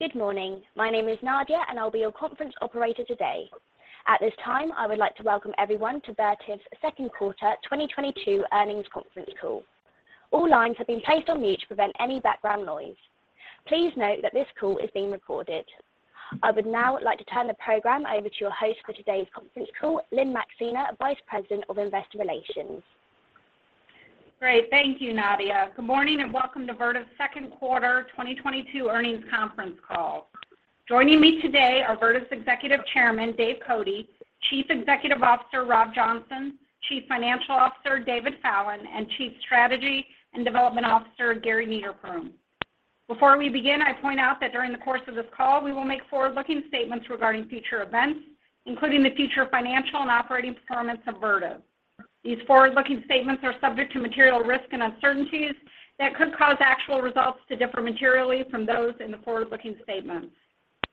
Good morning. My name is Nadia, and I'll be your conference operator today. At this time, I would like to welcome everyone to Vertiv's second quarter 2022 earnings conference call. All lines have been placed on mute to prevent any background noise. Please note that this call is being recorded. I would now like to turn the program over to your host for today's conference call, Lynne Maxeiner, Vice President of Investor Relations. Great. Thank you, Nadia. Good morning and welcome to Vertiv's second quarter 2022 earnings conference call. Joining me today are Vertiv's Executive Chairman, Dave Cote, Chief Executive Officer, Rob Johnson, Chief Financial Officer, David Fallon, and Chief Strategy and Development Officer, Gary Niederpruem. Before we begin, I point out that during the course of this call, we will make forward-looking statements regarding future events, including the future financial and operating performance of Vertiv. These forward-looking statements are subject to material risks and uncertainties that could cause actual results to differ materially from those in the forward-looking statements.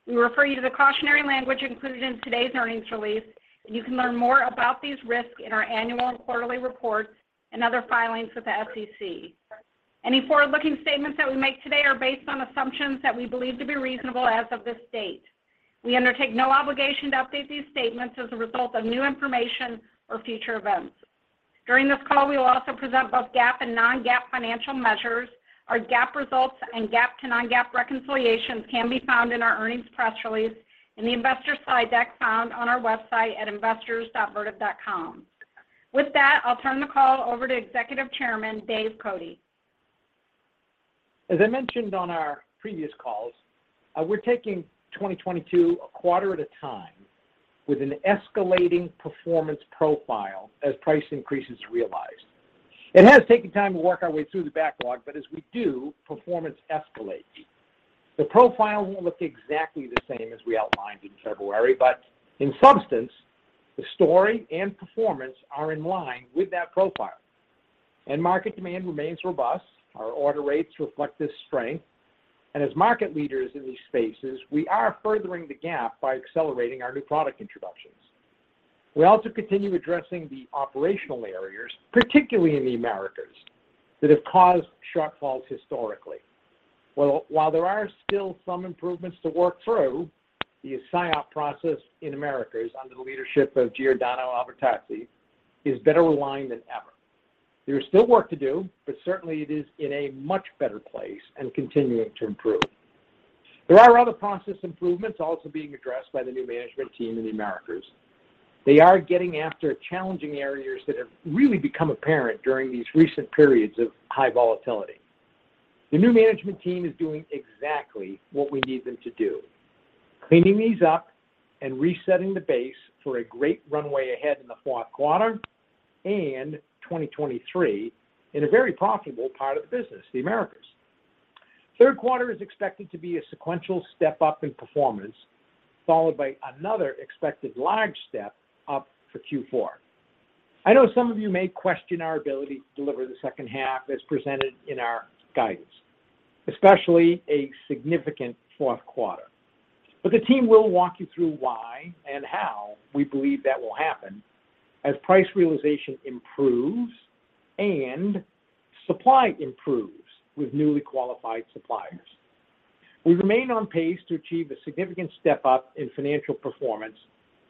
We refer you to the cautionary language included in today's earnings release, and you can learn more about these risks in our annual and quarterly reports and other filings with the SEC. Any forward-looking statements that we make today are based on assumptions that we believe to be reasonable as of this date. We undertake no obligation to update these statements as a result of new information or future events. During this call, we will also present both GAAP and non-GAAP financial measures. Our GAAP results and GAAP to non-GAAP reconciliations can be found in our earnings press release in the investor slide deck found on our website at investors.vertiv.com. With that, I'll turn the call over to Executive Chairman, Dave Cote. As I mentioned on our previous calls, we're taking 2022 a quarter at a time with an escalating performance profile as price increase is realized. It has taken time to work our way through the backlog, but as we do, performance escalates. The profile won't look exactly the same as we outlined in February, but in substance, the story and performance are in line with that profile. End market demand remains robust. Our order rates reflect this strength. As market leaders in these spaces, we are furthering the gap by accelerating our new product introductions. We also continue addressing the operational areas, particularly in the Americas, that have caused shortfalls historically. Well, while there are still some improvements to work through, the SIOP process in Americas under the leadership of Giordano Albertazzi is better aligned than ever. There is still work to do, but certainly it is in a much better place and continuing to improve. There are other process improvements also being addressed by the new management team in the Americas. They are getting after challenging areas that have really become apparent during these recent periods of high volatility. The new management team is doing exactly what we need them to do, cleaning these up and resetting the base for a great runway ahead in the fourth quarter and 2023 in a very profitable part of the business, the Americas. Third quarter is expected to be a sequential step-up in performance, followed by another expected large step up for Q4. I know some of you may question our ability to deliver the second half as presented in our guidance, especially a significant fourth quarter. The team will walk you through why and how we believe that will happen as price realization improves and supply improves with newly qualified suppliers. We remain on pace to achieve a significant step-up in financial performance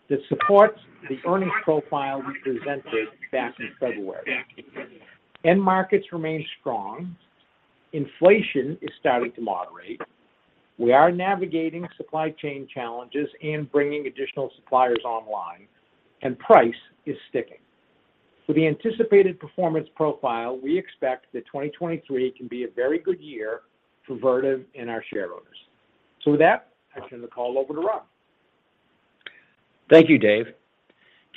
that supports the earnings profile we presented back in February. End markets remain strong. Inflation is starting to moderate. We are navigating supply chain challenges and bringing additional suppliers online, and price is sticking. For the anticipated performance profile, we expect that 2023 can be a very good year for Vertiv and our shareholders. With that, I turn the call over to Rob. Thank you, Dave.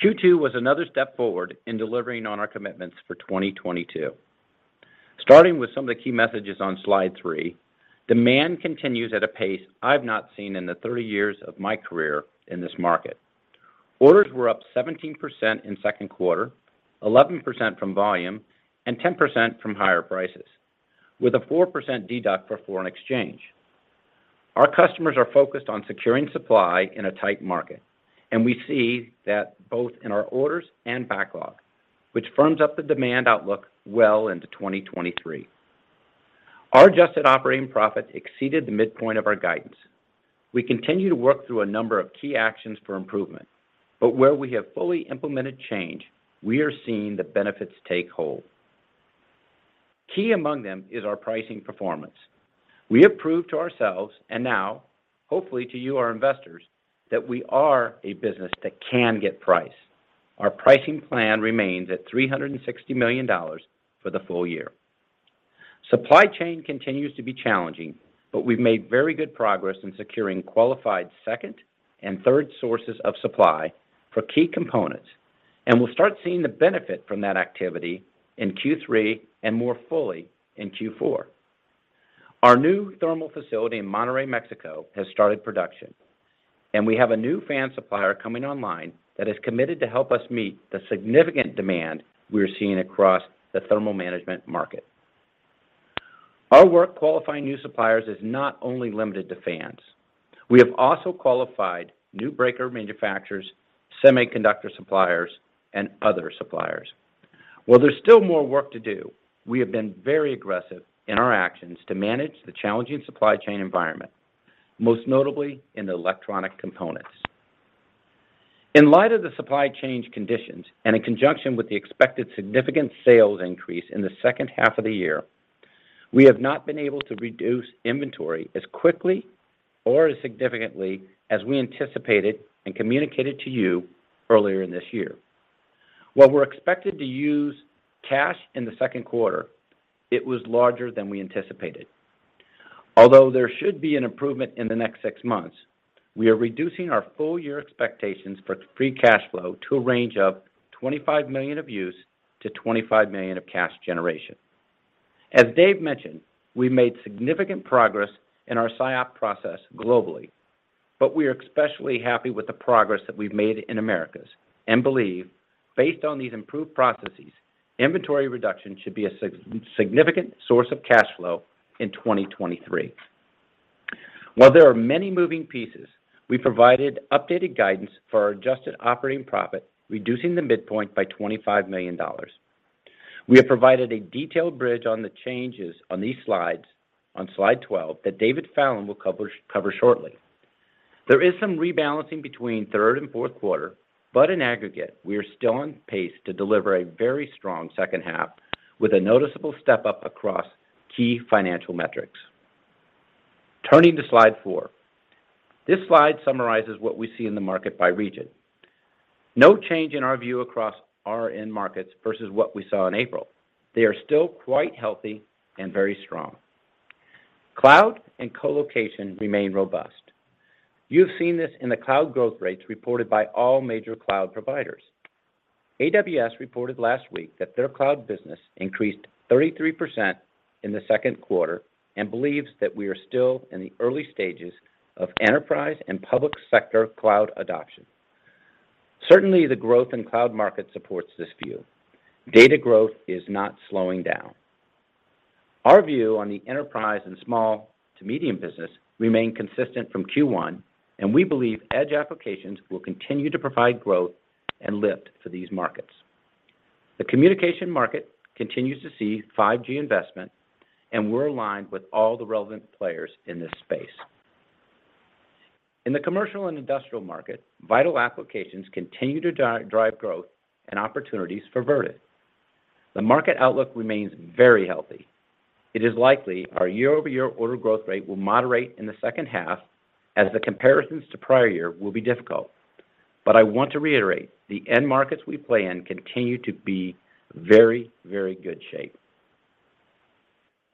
Q2 was another step forward in delivering on our commitments for 2022. Starting with some of the key messages on slide three, demand continues at a pace I've not seen in the 30 years of my career in this market. Orders were up 17% in second quarter, 11% from volume, and 10% from higher prices, with a 4% deduct for foreign exchange. Our customers are focused on securing supply in a tight market, and we see that both in our orders and backlog, which firms up the demand outlook well into 2023. Our adjusted operating profit exceeded the midpoint of our guidance. We continue to work through a number of key actions for improvement, but where we have fully implemented change, we are seeing the benefits take hold. Key among them is our pricing performance. We have proved to ourselves, and now hopefully to you, our investors, that we are a business that can get price. Our pricing plan remains at $360 million for the full year. Supply chain continues to be challenging, but we've made very good progress in securing qualified second and third sources of supply for key components, and we'll start seeing the benefit from that activity in Q3 and more fully in Q4. Our new thermal facility in Monterrey, Mexico, has started production, and we have a new fan supplier coming online that has committed to help us meet the significant demand we're seeing across the thermal management market. Our work qualifying new suppliers is not only limited to fans. We have also qualified new breaker manufacturers, semiconductor suppliers, and other suppliers. Well, there's still more work to do. We have been very aggressive in our actions to manage the challenging supply chain environment, most notably in the electronic components. In light of the supply chain conditions and in conjunction with the expected significant sales increase in the second half of the year, we have not been able to reduce inventory as quickly or as significantly as we anticipated and communicated to you earlier in this year. While we're expected to use cash in the second quarter, it was larger than we anticipated. Although there should be an improvement in the next six months, we are reducing our full year expectations for free cash flow to a range of $25 million of use to $25 million of cash generation. As Dave mentioned, we've made significant progress in our SIOP process globally, but we are especially happy with the progress that we've made in Americas and believe, based on these improved processes, inventory reduction should be a significant source of cash flow in 2023. While there are many moving pieces, we provided updated guidance for our adjusted operating profit, reducing the midpoint by $25 million. We have provided a detailed bridge on the changes on these slides on slide 12 that David Fallon will cover shortly. There is some rebalancing between third and fourth quarter, but in aggregate, we are still on pace to deliver a very strong second half with a noticeable step-up across key financial metrics. Turning to slide four. This slide summarizes what we see in the market by region. No change in our view across our end markets versus what we saw in April. They are still quite healthy and very strong. Cloud and colocation remain robust. You've seen this in the cloud growth rates reported by all major cloud providers. AWS reported last week that their cloud business increased 33% in the second quarter and believes that we are still in the early stages of enterprise and public sector cloud adoption. Certainly, the growth in cloud market supports this view. Data growth is not slowing down. Our view on the enterprise and small to medium business remain consistent from Q1, and we believe edge applications will continue to provide growth and lift for these markets. The communication market continues to see 5G investment, and we're aligned with all the relevant players in this space. In the commercial and industrial market, vital applications continue to drive growth and opportunities for Vertiv. The market outlook remains very healthy. It is likely our year-over-year order growth rate will moderate in the second half as the comparisons to prior year will be difficult. I want to reiterate, the end markets we play in continue to be very, very good shape.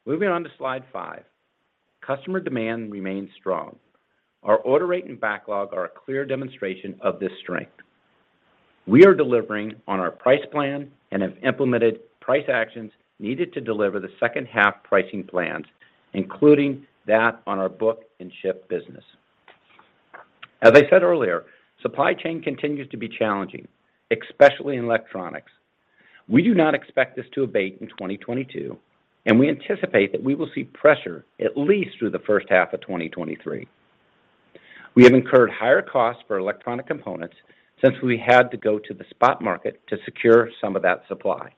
Moving on to slide five. Customer demand remains strong. Our order rate and backlog are a clear demonstration of this strength. We are delivering on our price plan and have implemented price actions needed to deliver the second half pricing plans, including that on our book and ship business. As I said earlier, supply chain continues to be challenging, especially in electronics. We do not expect this to abate in 2022, and we anticipate that we will see pressure at least through the first half of 2023. We have incurred higher costs for electronic components since we had to go to the spot market to secure some of that supply.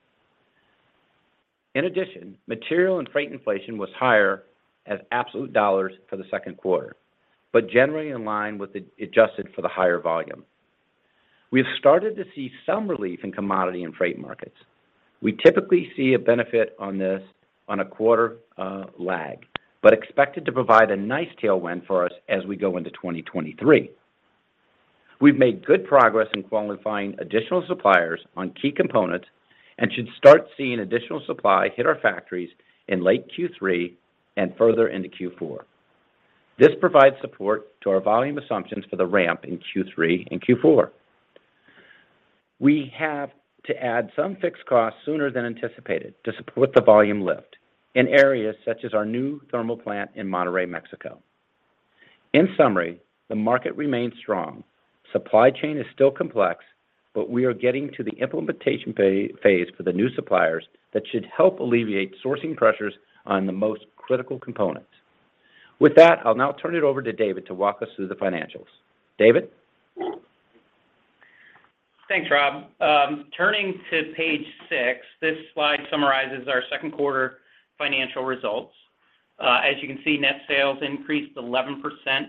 In addition, material and freight inflation was higher as absolute dollars for the second quarter, but generally in line with the adjusted for the higher volume. We have started to see some relief in commodity and freight markets. We typically see a benefit on this on a quarter lag, but expected to provide a nice tailwind for us as we go into 2023. We've made good progress in qualifying additional suppliers on key components and should start seeing additional supply hit our factories in late Q3 and further into Q4. This provides support to our volume assumptions for the ramp in Q3 and Q4. We have to add some fixed costs sooner than anticipated to support the volume lift in areas such as our new thermal plant in Monterrey, Mexico. In summary, the market remains strong. Supply chain is still complex, but we are getting to the implementation phase for the new suppliers that should help alleviate sourcing pressures on the most critical components. With that, I'll now turn it over to David to walk us through the financials. David? Thanks, Rob. Turning to page six, this slide summarizes our second quarter financial results. As you can see, net sales increased 11%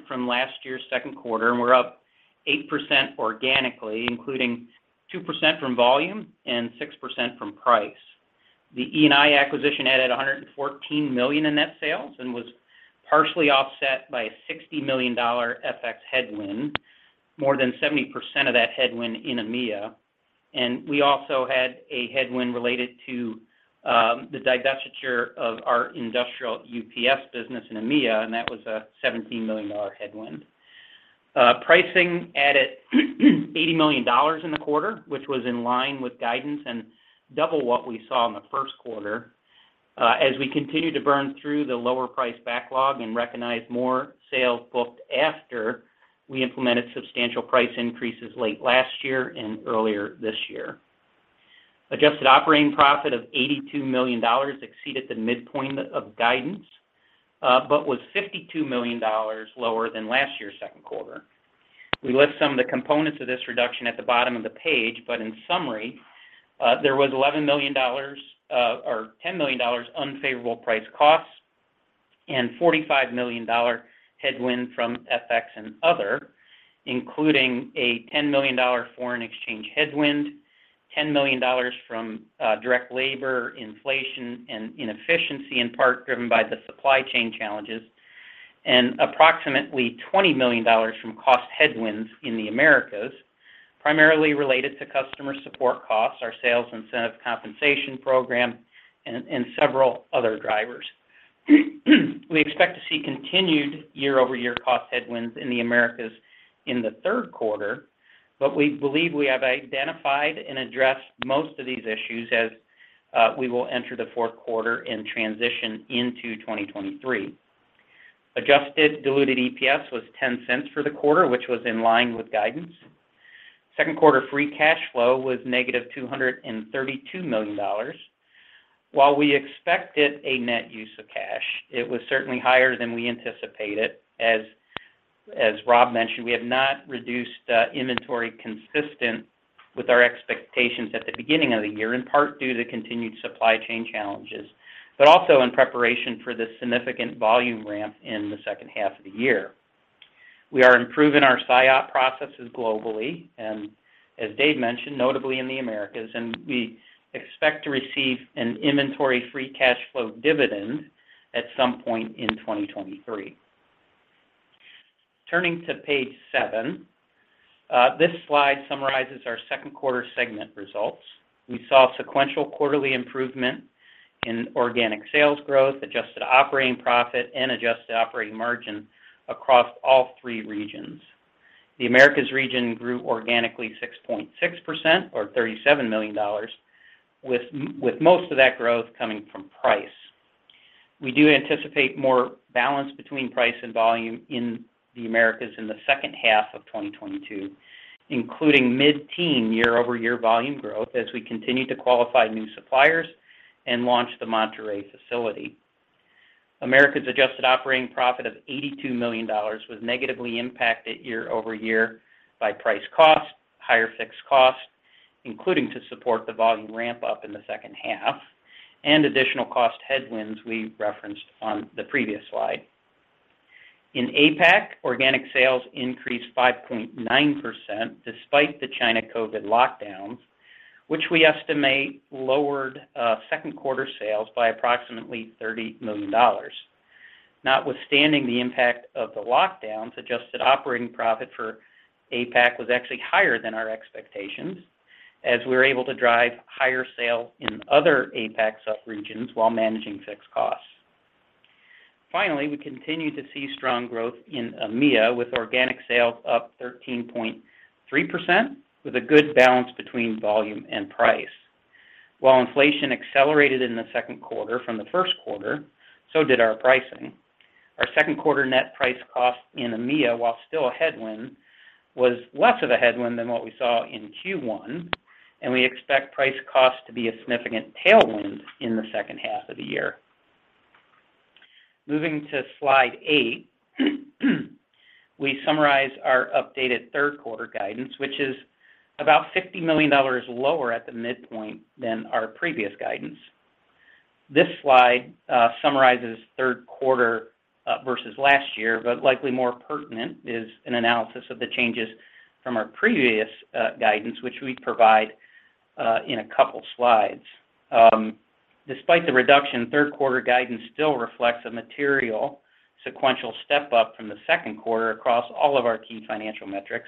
from last year's second quarter, and we're up 8% organically, including 2% from volume and 6% from price. The E&I acquisition added $114 million in net sales and was partially offset by a $60 million FX headwind, more than 70% of that headwind in EMEA. We also had a headwind related to the divestiture of our industrial UPS business in EMEA, and that was a $17 million headwind. Pricing added $80 million in the quarter, which was in line with guidance and double what we saw in the first quarter, as we continue to burn through the lower price backlog and recognize more sales booked after we implemented substantial price increases late last year and earlier this year. Adjusted operating profit of $82 million exceeded the midpoint of guidance, but was $52 million lower than last year's second quarter. We list some of the components of this reduction at the bottom of the page, but in summary, there was $11 million, or $10 million unfavorable price costs and $45 million headwind from FX and other, including a $10 million foreign exchange headwind, $10 million from direct labor, inflation, and inefficiency, in part driven by the supply chain challenges, and approximately $20 million from cost headwinds in the Americas, primarily related to customer support costs, our sales incentive compensation program, and several other drivers. We expect to see continued year-over-year cost headwinds in the Americas in the third quarter, but we believe we have identified and addressed most of these issues as we will enter the fourth quarter and transition into 2023. Adjusted diluted EPS was $0.10 For the quarter, which was in line with guidance. Second quarter free cash flow was negative $232 million. While we expected a net use of cash, it was certainly higher than we anticipated. As Rob mentioned, we have not reduced inventory consistent with our expectations at the beginning of the year, in part due to continued supply chain challenges, but also in preparation for the significant volume ramp in the second half of the year. We are improving our SIOP processes globally, and as Dave mentioned, notably in the Americas, and we expect to receive an inventory-free cash flow dividend at some point in 2023. Turning to page seven, this slide summarizes our second quarter segment results. We saw sequential quarterly improvement in organic sales growth, adjusted operating profit, and adjusted operating margin across all three regions. The Americas region grew organically 6.6% or $37 million with most of that growth coming from price. We do anticipate more balance between price and volume in the Americas in the second half of 2022, including mid-teen year-over-year volume growth as we continue to qualify new suppliers and launch the Monterrey facility. Americas adjusted operating profit of $82 million was negatively impacted year-over-year by price cost, higher fixed cost, including to support the volume ramp up in the second half and additional cost headwinds we referenced on the previous slide. In APAC, organic sales increased 5.9% despite the China COVID lockdowns, which we estimate lowered second quarter sales by approximately $30 million. Notwithstanding the impact of the lockdowns, adjusted operating profit for APAC was actually higher than our expectations as we were able to drive higher sales in other APAC subregions while managing fixed costs. Finally, we continue to see strong growth in EMEA with organic sales up 13.3% with a good balance between volume and price. While inflation accelerated in the second quarter from the first quarter, so did our pricing. Our second quarter net price cost in EMEA, while still a headwind, was less of a headwind than what we saw in Q1, and we expect price cost to be a significant tailwind in the second half of the year. Moving to slide eight, we summarize our updated third quarter guidance, which is about $50 million lower at the midpoint than our previous guidance. This slide summarizes third quarter versus last year, but likely more pertinent is an analysis of the changes from our previous guidance, which we provide in a couple slides. Despite the reduction, third quarter guidance still reflects a material sequential step-up from the second quarter across all of our key financial metrics,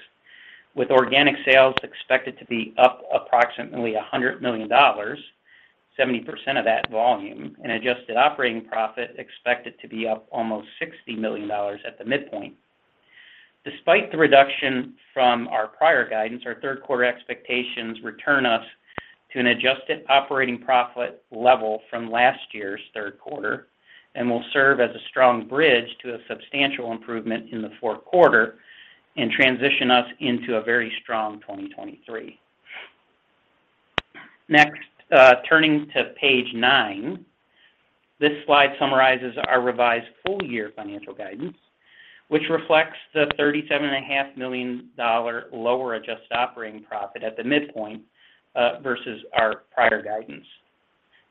with organic sales expected to be up approximately $100 million, 70% of that volume, and adjusted operating profit expected to be up almost $60 million at the midpoint. Despite the reduction from our prior guidance, our third quarter expectations return us to an adjusted operating profit level from last year's third quarter and will serve as a strong bridge to a substantial improvement in the fourth quarter and transition us into a very strong 2023. Next, turning to page nine, this slide summarizes our revised full year financial guidance, which reflects the $37.5 million lower adjusted operating profit at the midpoint, versus our prior guidance.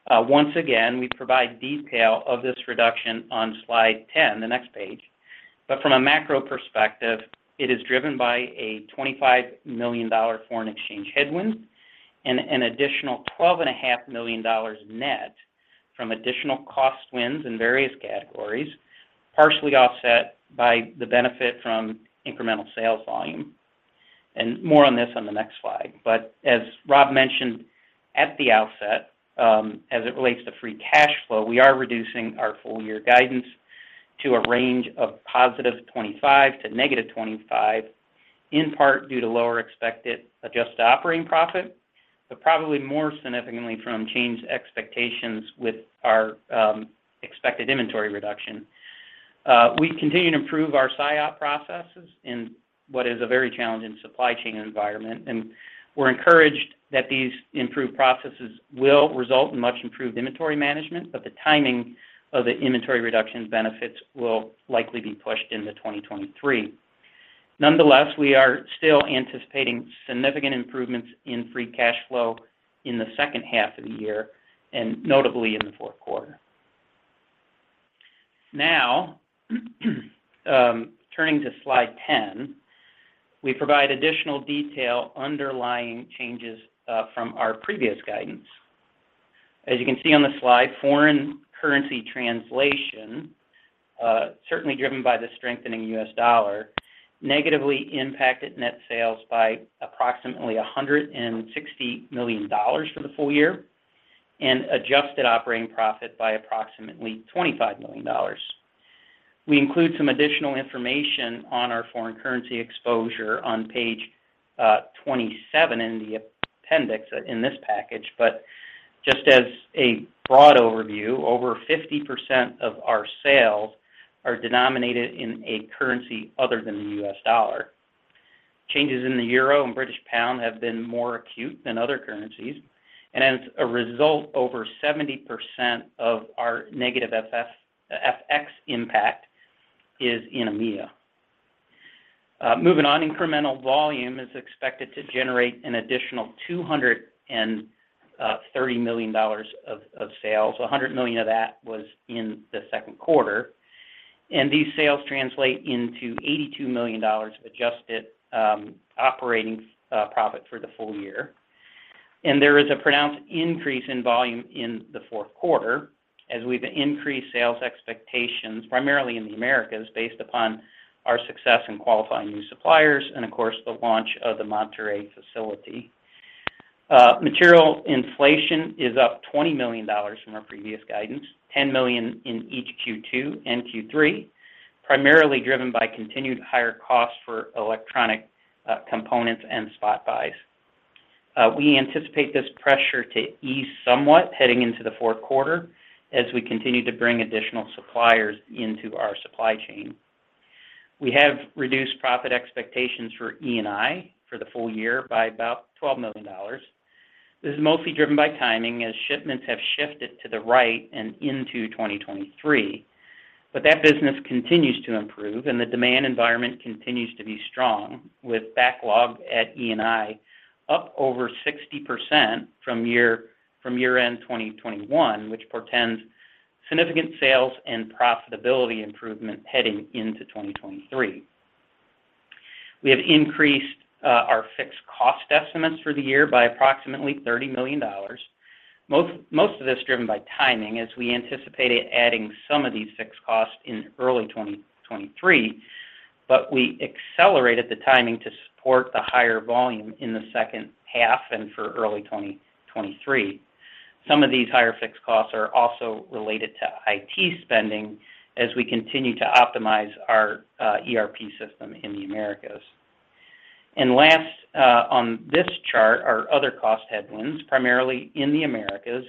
Once again, we provide detail of this reduction on slide 10, the next page. From a macro perspective, it is driven by a $25 million foreign exchange headwind and an additional $12.5 million net from additional cost wins in various categories, partially offset by the benefit from incremental sales volume. More on this on the next slide. As Rob mentioned at the outset, as it relates to free cash flow, we are reducing our full year guidance to a range of $25 million to -$25 million, in part due to lower expected adjusted operating profit, but probably more significantly from changed expectations with our expected inventory reduction. We continue to improve our SIOP processes in what is a very challenging supply chain environment, and we're encouraged that these improved processes will result in much improved inventory management, but the timing of the inventory reduction benefits will likely be pushed into 2023. Nonetheless, we are still anticipating significant improvements in free cash flow in the second half of the year, and notably in the fourth quarter. Now, turning to slide 10, we provide additional detail underlying changes from our previous guidance. As you can see on the slide, foreign currency translation certainly driven by the strengthening U.S. dollar negatively impacted net sales by approximately $160 million for the full year, and adjusted operating profit by approximately $25 million. We include some additional information on our foreign currency exposure on page 27 in the appendix in this package. Just as a broad overview, over 50% of our sales are denominated in a currency other than the U.S. dollar. Changes in the euro and British pound have been more acute than other currencies, and as a result, over 70% of our negative FX impact is in EMEA. Moving on, incremental volume is expected to generate an additional $230 million of sales. $100 million of that was in the second quarter. These sales translate into $82 million of adjusted operating profit for the full year. There is a pronounced increase in volume in the fourth quarter as we've increased sales expectations primarily in the Americas based upon our success in qualifying new suppliers and of course, the launch of the Monterrey facility. Material inflation is up $20 million from our previous guidance, $10 million in each Q2 and Q3, primarily driven by continued higher costs for electronic components and spot buys. We anticipate this pressure to ease somewhat heading into the fourth quarter as we continue to bring additional suppliers into our supply chain. We have reduced profit expectations for E&I for the full year by about $12 million. This is mostly driven by timing as shipments have shifted to the right and into 2023. That business continues to improve and the demand environment continues to be strong with backlog at E&I up over 60% from year-end 2021, which portends significant sales and profitability improvement heading into 2023. We have increased our fixed cost estimates for the year by approximately $30 million. Most of this driven by timing as we anticipated adding some of these fixed costs in early 2023, but we accelerated the timing to support the higher volume in the second half and for early 2023. Some of these higher fixed costs are also related to IT spending as we continue to optimize our ERP system in the Americas. Last, on this chart, our other cost headwinds, primarily in the Americas,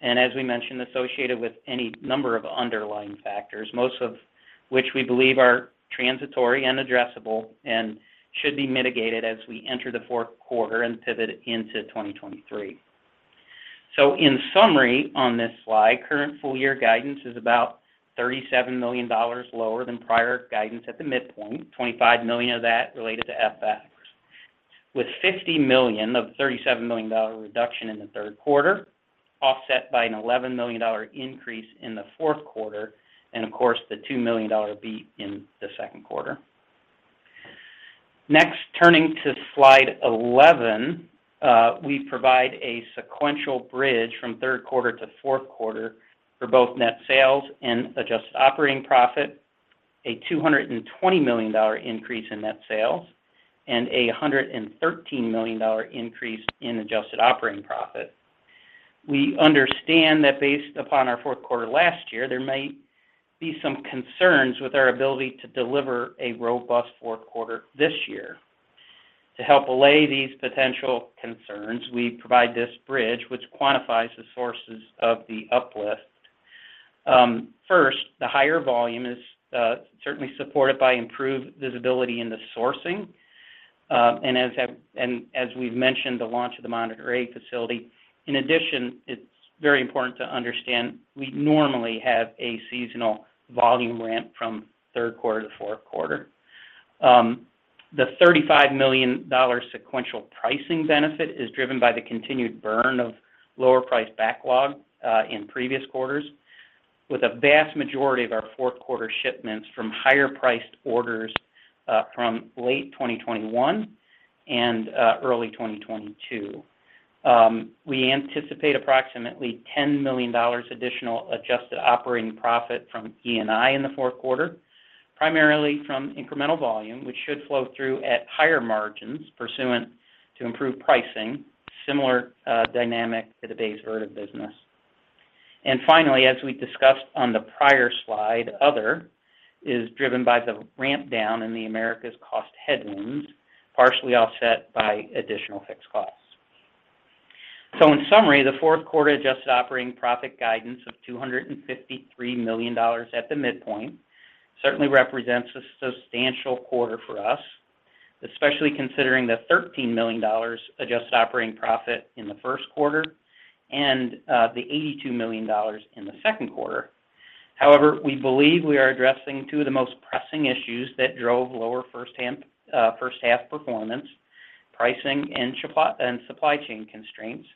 and as we mentioned, associated with any number of underlying factors, most of which we believe are transitory and addressable and should be mitigated as we enter the fourth quarter and pivot into 2023. In summary on this slide, current full year guidance is about $37 million lower than prior guidance at the midpoint, $25 million of that related to FX. With $50 million of the $37 million reduction in the third quarter, offset by an $11 million increase in the fourth quarter, and of course, the $2 million beat in the second quarter. Next, turning to slide 11, we provide a sequential bridge from third quarter to fourth quarter for both net sales and adjusted operating profit, a $220 million increase in net sales, and a $113 million increase in adjusted operating profit. We understand that based upon our fourth quarter last year, there may be some concerns with our ability to deliver a robust fourth quarter this year. To help allay these potential concerns, we provide this bridge which quantifies the sources of the uplift. First, the higher volume is certainly supported by improved visibility in the sourcing, and as we've mentioned, the launch of the Monterrey facility. In addition, it's very important to understand we normally have a seasonal volume ramp from third quarter to fourth quarter. The $35 million sequential pricing benefit is driven by the continued burn of lower priced backlog in previous quarters, with a vast majority of our fourth quarter shipments from higher priced orders from late 2021 and early 2022. We anticipate approximately $10 million additional adjusted operating profit from E&I in the fourth quarter, primarily from incremental volume, which should flow through at higher margins pursuant to improved pricing, similar dynamic to the base Vertiv business. Finally, as we discussed on the prior slide, other is driven by the ramp down in the Americas cost headwinds, partially offset by additional fixed costs. In summary, the fourth quarter adjusted operating profit guidance of $253 million at the midpoint certainly represents a substantial quarter for us, especially considering the $13 million adjusted operating profit in the first quarter and the $82 million in the second quarter. However, we believe we are addressing two of the most pressing issues that drove lower first half performance, pricing and support and supply chain constraints.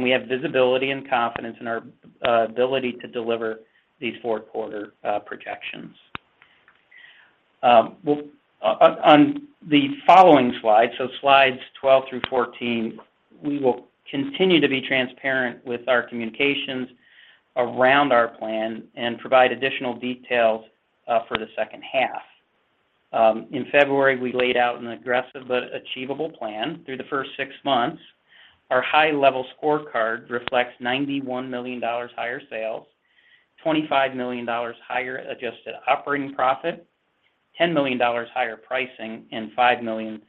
We have visibility and confidence in our ability to deliver these fourth quarter projections. On the following slide, slides 12 through 14, we will continue to be transparent with our communications around our plan and provide additional details for the second half. In February, we laid out an aggressive but achievable plan through the first six months. Our high level scorecard reflects $91 million higher sales, $25 million higher adjusted operating profit, $10 million higher pricing, and $5 million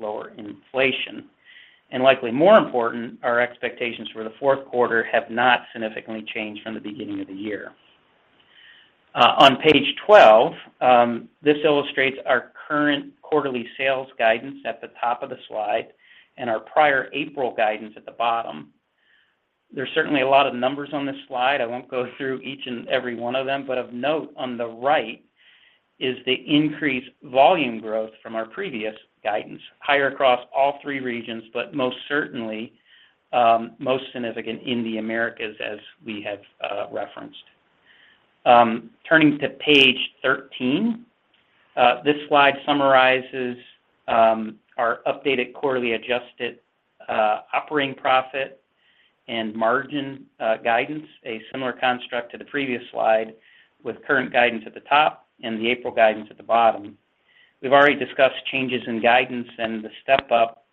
lower inflation. Likely more important, our expectations for the fourth quarter have not significantly changed from the beginning of the year. On page 12, this illustrates our current quarterly sales guidance at the top of the slide and our prior April guidance at the bottom. There's certainly a lot of numbers on this slide. I won't go through each and every one of them, but of note on the right is the increased volume growth from our previous guidance, higher across all three regions, but most certainly most significant in the Americas as we have referenced. Turning to page 13. This slide summarizes our updated quarterly adjusted operating profit and margin guidance, a similar construct to the previous slide with current guidance at the top and the April guidance at the bottom. We've already discussed changes in guidance and the step up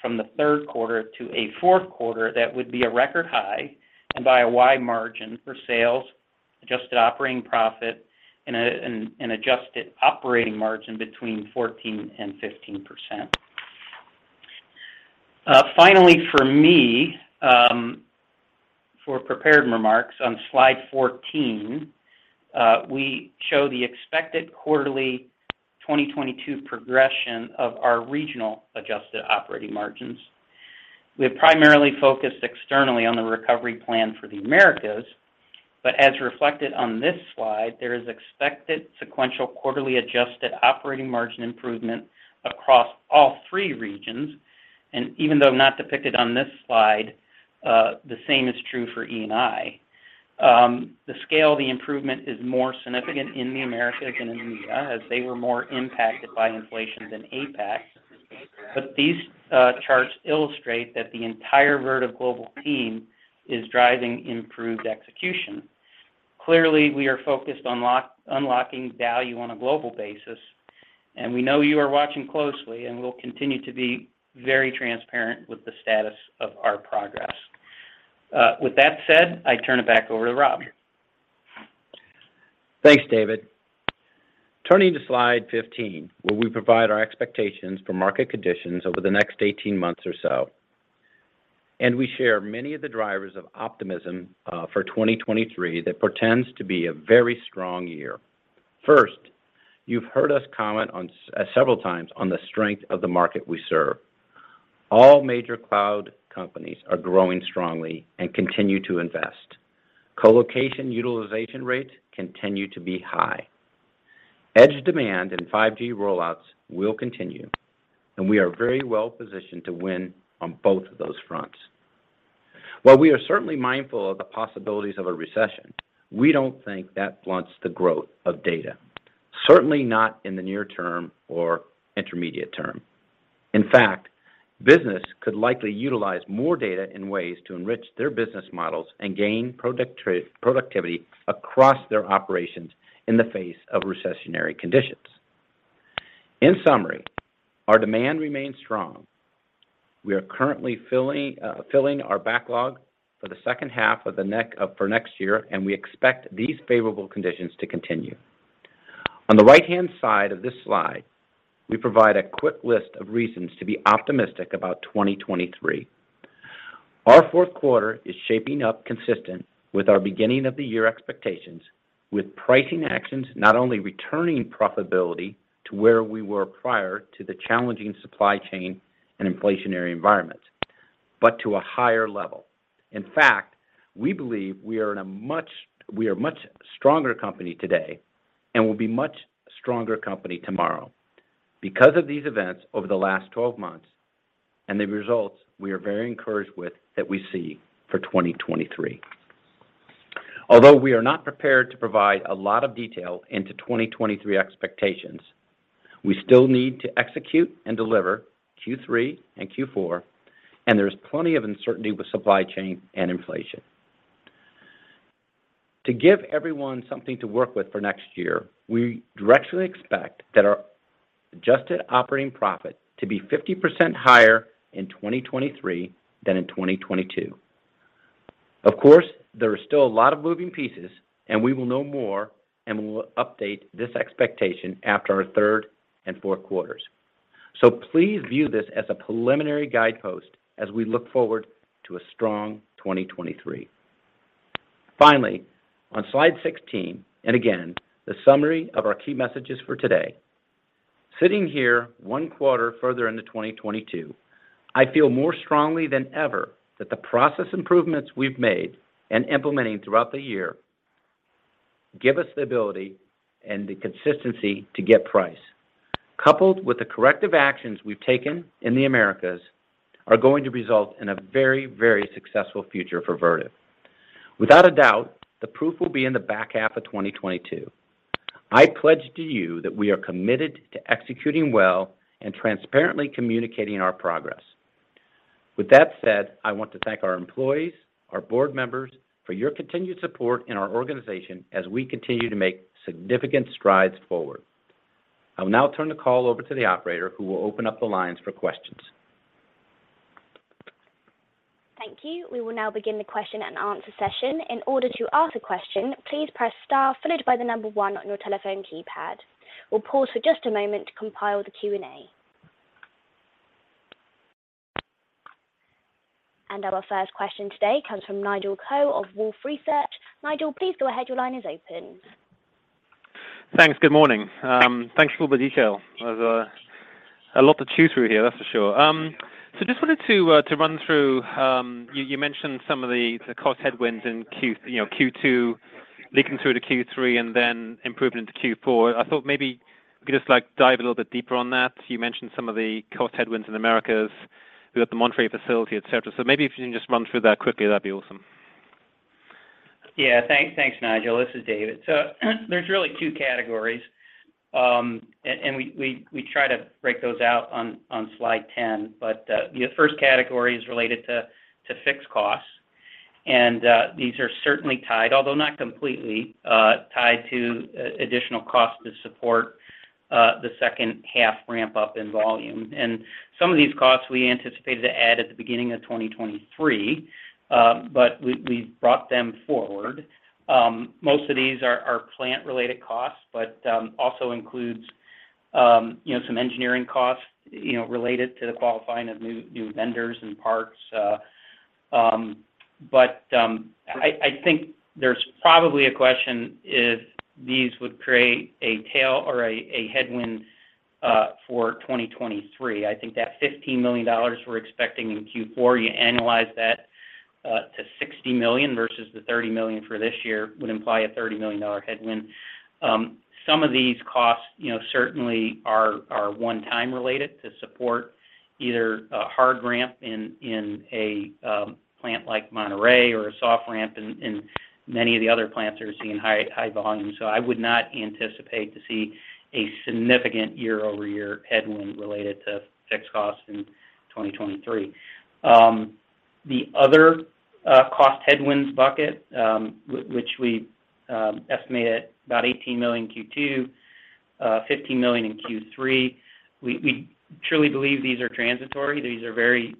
from the third quarter to a fourth quarter that would be a record high and by a wide margin for sales, adjusted operating profit in an adjusted operating margin between 14%-15%. Finally, for me, for prepared remarks on slide 14, we show the expected quarterly 2022 progression of our regional adjusted operating margins. We have primarily focused externally on the recovery plan for the Americas, but as reflected on this slide, there is expected sequential quarterly adjusted operating margin improvement across all three regions. Even though not depicted on this slide, the same is true for E&I. The scale of the improvement is more significant in the Americas and EMEA as they were more impacted by inflation than APAC. These charts illustrate that the entire Vertiv global team is driving improved execution. Clearly, we are focused on unlocking value on a global basis, and we know you are watching closely, and we'll continue to be very transparent with the status of our progress. With that said, I turn it back over to Rob. Thanks, David. Turning to slide 15, where we provide our expectations for market conditions over the next 18 months or so. We share many of the drivers of optimism for 2023 that portends to be a very strong year. First, you've heard us comment on several times on the strength of the market we serve. All major cloud companies are growing strongly and continue to invest. Colocation utilization rates continue to be high. Edge demand and 5G rollouts will continue, and we are very well-positioned to win on both of those fronts. While we are certainly mindful of the possibilities of a recession, we don't think that blunts the growth of data, certainly not in the near term or intermediate term. In fact, business could likely utilize more data in ways to enrich their business models and gain productivity across their operations in the face of recessionary conditions. In summary, our demand remains strong. We are currently filling our backlog for the second half of next year, and we expect these favorable conditions to continue. On the right-hand side of this slide, we provide a quick list of reasons to be optimistic about 2023. Our fourth quarter is shaping up consistent with our beginning of the year expectations with pricing actions not only returning profitability to where we were prior to the challenging supply chain and inflationary environment, but to a higher level. In fact, we believe we are a much stronger company today and will be much stronger company tomorrow. Because of these events over the last 12 months and the results we are very encouraged with that we see for 2023. Although we are not prepared to provide a lot of detail into 2023 expectations, we still need to execute and deliver Q3 and Q4, and there is plenty of uncertainty with supply chain and inflation. To give everyone something to work with for next year, we do expect that our adjusted operating profit to be 50% higher in 2023 than in 2022. Of course, there are still a lot of moving pieces, and we will know more, and we will update this expectation after our third and fourth quarters. Please view this as a preliminary guidepost as we look forward to a strong 2023. Finally, on slide 16, and again, the summary of our key messages for today. Sitting here one quarter further into 2022, I feel more strongly than ever that the process improvements we've made and implementing throughout the year give us the ability and the consistency to get price. Coupled with the corrective actions we've taken in the Americas are going to result in a very, very successful future for Vertiv. Without a doubt, the proof will be in the back half of 2022. I pledge to you that we are committed to executing well and transparently communicating our progress. With that said, I want to thank our employees, our board members for your continued support in our organization as we continue to make significant strides forward. I will now turn the call over to the operator, who will open up the lines for questions. Thank you. We will now begin the question and answer session. In order to ask a question, please press star followed by the number one on your telephone keypad. We'll pause for just a moment to compile the Q&A. Our first question today comes from Nigel Coe of Wolfe Research. Nigel, please go ahead. Your line is open. Thanks. Good morning. Thanks for all the detail. There's a lot to chew through here, that's for sure. Just wanted to run through you mentioned some of the cost headwinds in Q2 you know linking through to Q3 and then improving into Q4. I thought maybe we could just like dive a little bit deeper on that. You mentioned some of the cost headwinds in Americas. We've got the Monterrey facility, et cetera. Maybe if you can just run through that quickly, that'd be awesome. Yeah. Thanks. Thanks, Nigel. This is David. There's really two categories. And we try to break those out on slide 10. You know, first category is related to fixed costs. These are certainly tied, although not completely, tied to additional costs to support the second half ramp up in volume. Some of these costs we anticipated to add at the beginning of 2023, but we brought them forward. Most of these are plant related costs, but also includes you know, some engineering costs, you know, related to the qualifying of new vendors and parts. But I think there's probably a question if these would create a tail or a headwind for 2023. I think that $15 million we're expecting in Q4, you annualize that, to $60 million versus the $30 million for this year would imply a $30 million headwind. Some of these costs, you know, certainly are one-time related to support either a hard ramp in a plant like Monterrey or a soft ramp in many of the other plants that are seeing high volume. I would not anticipate to see a significant year-over-year headwind related to fixed costs in 2023. The other cost headwinds bucket, which we estimate at about $18 million Q2, $15 million in Q3, we truly believe these are transitory. These are very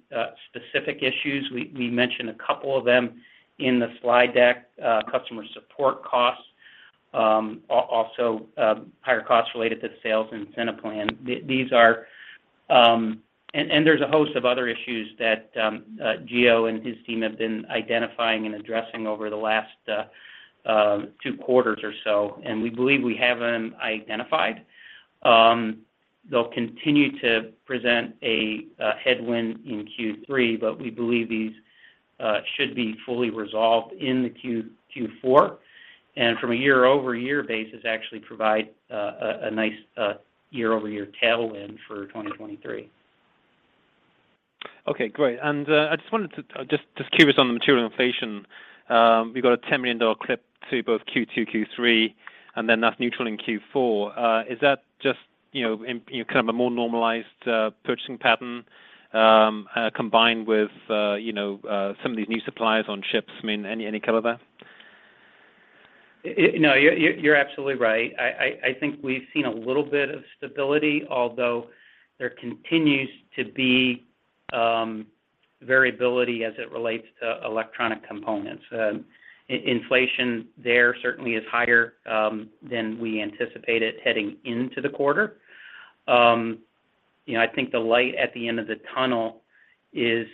specific issues. We mentioned a couple of them in the slide deck. Customer support costs, also higher costs related to sales incentive plan. These are, and there's a host of other issues that Gio and his team have been identifying and addressing over the last two quarters or so, and we believe we have them identified. They'll continue to present a headwind in Q3, but we believe these should be fully resolved in Q4, and from a year-over-year basis, actually provide a nice year-over-year tailwind for 2023. Okay, great. Just curious on the material inflation. We've got a $10 million clip to both Q2, Q3, and then that's neutral in Q4. Is that just, you know, kind of a more normalized purchasing pattern combined with, you know, some of these new suppliers onshore? I mean, any color there? You know, you're absolutely right. I think we've seen a little bit of stability, although there continues to be variability as it relates to electronic components. Inflation there certainly is higher than we anticipated heading into the quarter. You know, I think the light at the end of the tunnel is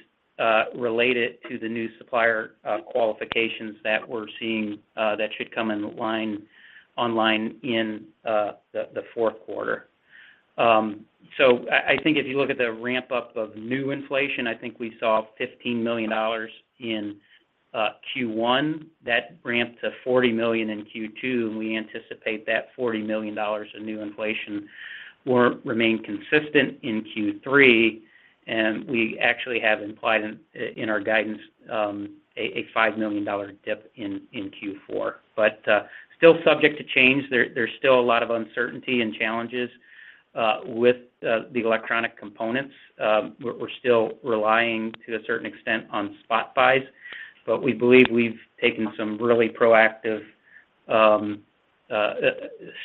related to the new supplier qualifications that we're seeing that should come online in the fourth quarter. I think if you look at the ramp up of new inflation, I think we saw $15 million in Q1. That ramped to $40 million in Q2, and we anticipate that $40 million of new inflation will remain consistent in Q3. We actually have implied in our guidance a $5 million dip in Q4. Still subject to change. There's still a lot of uncertainty and challenges with the electronic components. We're still relying to a certain extent on spot buys, but we believe we've taken some really proactive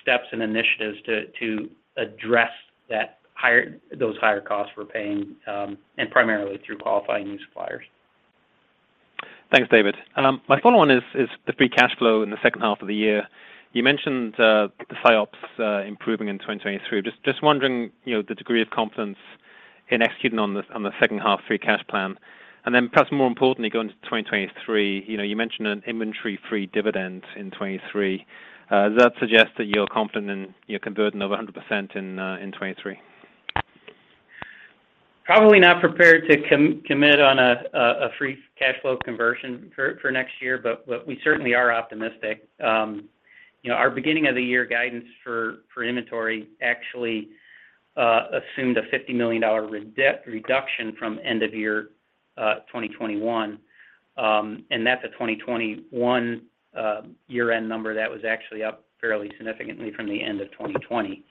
steps and initiatives to address those higher costs we're paying, and primarily through qualifying new suppliers. Thanks, David. My follow-on is the free cash flow in the second half of the year. You mentioned the SIOPs improving in 2022. Wondering, you know, the degree of confidence. In executing on the second half free cash plan. Perhaps more importantly, going into 2023, you know, you mentioned an inventory-free dividend in 2023. Does that suggest that you're confident in, you know, converting over 100% in 2023? Probably not prepared to commit on a free cash flow conversion for next year, but we certainly are optimistic. You know, our beginning of the year guidance for inventory actually assumed a $50 million reduction from end of year 2021. That's a 2021 year-end number that was actually up fairly significantly from the end of 2020.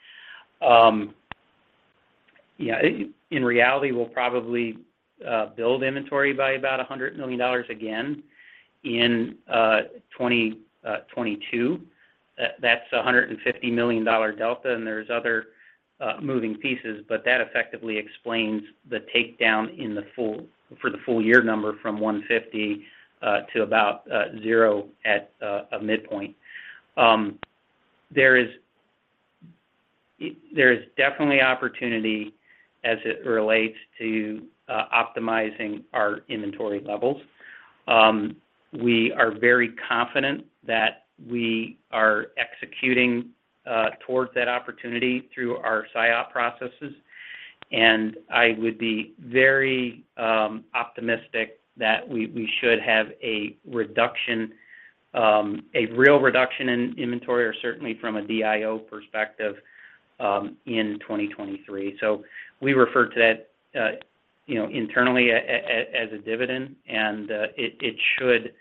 Yeah, in reality, we'll probably build inventory by about $100 million again in 2022. That's a $150 million delta, and there's other moving pieces, but that effectively explains the takedown in the full year number from 150 to about zero at a midpoint. There is definitely opportunity as it relates to optimizing our inventory levels. We are very confident that we are executing towards that opportunity through our SIOP processes. I would be very optimistic that we should have a reduction, a real reduction in inventory or certainly from a DIO perspective, in 2023. We refer to that, you know, internally as a dividend, and it should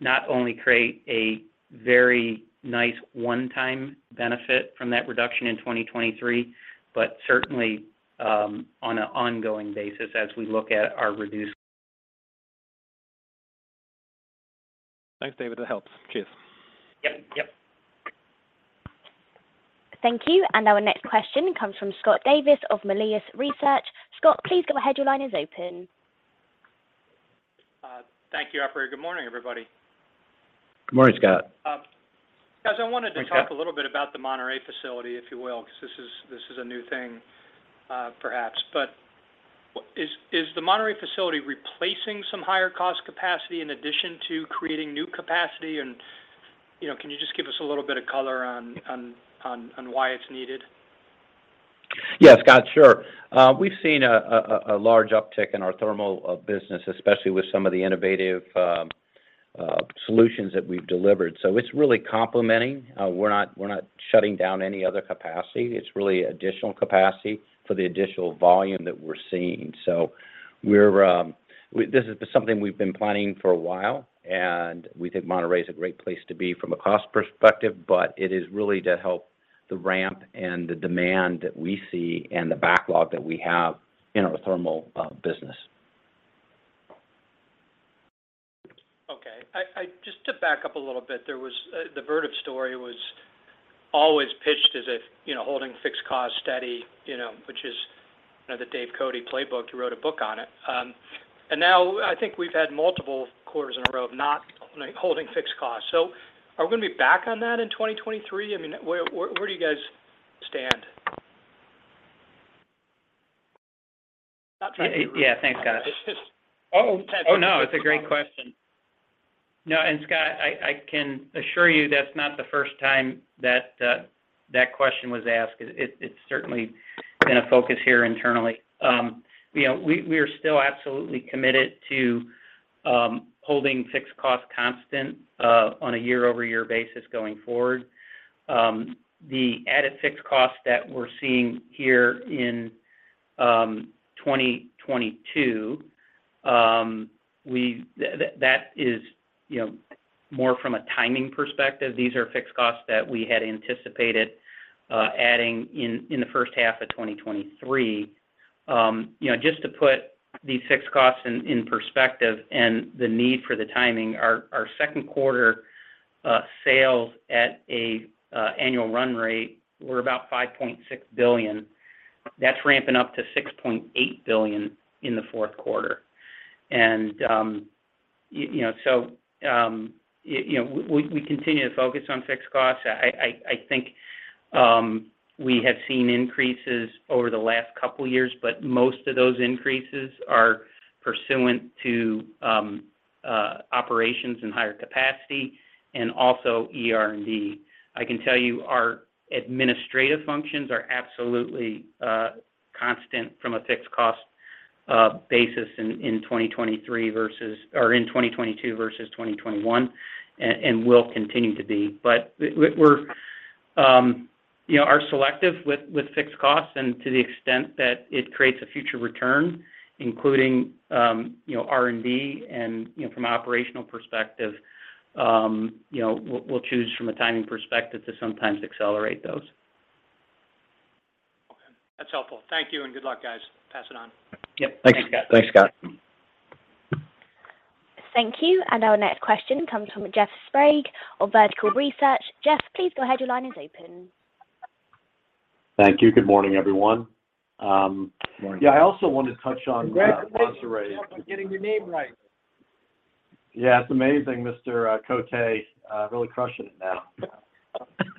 not only create a very nice one-time benefit from that reduction in 2023, but certainly on an ongoing basis as we look at our reduced. Thanks, David. That helps. Cheers. Yep. Yep. Thank you. Our next question comes from Scott Davis of Melius Research. Scott, please go ahead. Your line is open. Thank you, operator. Good morning, everybody. Good morning, Scott. Guys, I wanted to talk a little bit about the Monterrey facility, if you will, because this is a new thing, perhaps. Is the Monterrey facility replacing some higher cost capacity in addition to creating new capacity and, you know, can you just give us a little bit of color on why it's needed? Yeah, Scott, sure. We've seen a large uptick in our thermal business, especially with some of the innovative solutions that we've delivered. It's really complementing. We're not shutting down any other capacity. It's really additional capacity for the additional volume that we're seeing. This is something we've been planning for a while, and we think Monterrey is a great place to be from a cost perspective, but it is really to help the ramp and the demand that we see and the backlog that we have in our thermal business. Okay. Just to back up a little bit, the Vertiv story was always pitched as if, you know, holding fixed cost steady, you know, which is, you know, the Dave Cote playbook. He wrote a book on it. I think we've had multiple quarters in a row of not holding fixed costs. Are we gonna be back on that in 2023? I mean, where do you guys stand? Not trying to be rude. Yeah. Thanks, Scott. It's just. It's a great question. No, Scott, I can assure you that's not the first time that question was asked. It's certainly been a focus here internally. You know, we are still absolutely committed to holding fixed cost constant on a year-over-year basis going forward. The added fixed cost that we're seeing here in 2022, that is, you know, more from a timing perspective. These are fixed costs that we had anticipated adding in the first half of 2023. You know, just to put these fixed costs in perspective and the need for the timing, our second quarter sales at an annual run rate were about $5.6 billion. That's ramping up to $6.8 billion in the fourth quarter. We continue to focus on fixed costs. I think we have seen increases over the last couple years, but most of those increases are pursuant to operations in higher capacity and also R&D. I can tell you our administrative functions are absolutely constant from a fixed cost basis in 2023 versus or in 2022 versus 2021, and will continue to be. We are selective with fixed costs and to the extent that it creates a future return, including you know, R&D and you know, from an operational perspective you know, we'll choose from a timing perspective to sometimes accelerate those. Okay. That's helpful. Thank you, and good luck, guys. Pass it on. Yep. Thanks, Scott. Thanks, Scott. Thank you. Our next question comes from Jeff Sprague of Vertical Research. Jeff, please go ahead. Your line is open. Thank you. Good morning, everyone. Morning. Yeah, I also wanted to touch on Monterrey- Congratulations on getting the name right. Yeah, it's amazing, Mr. Cote. Really crushing it now.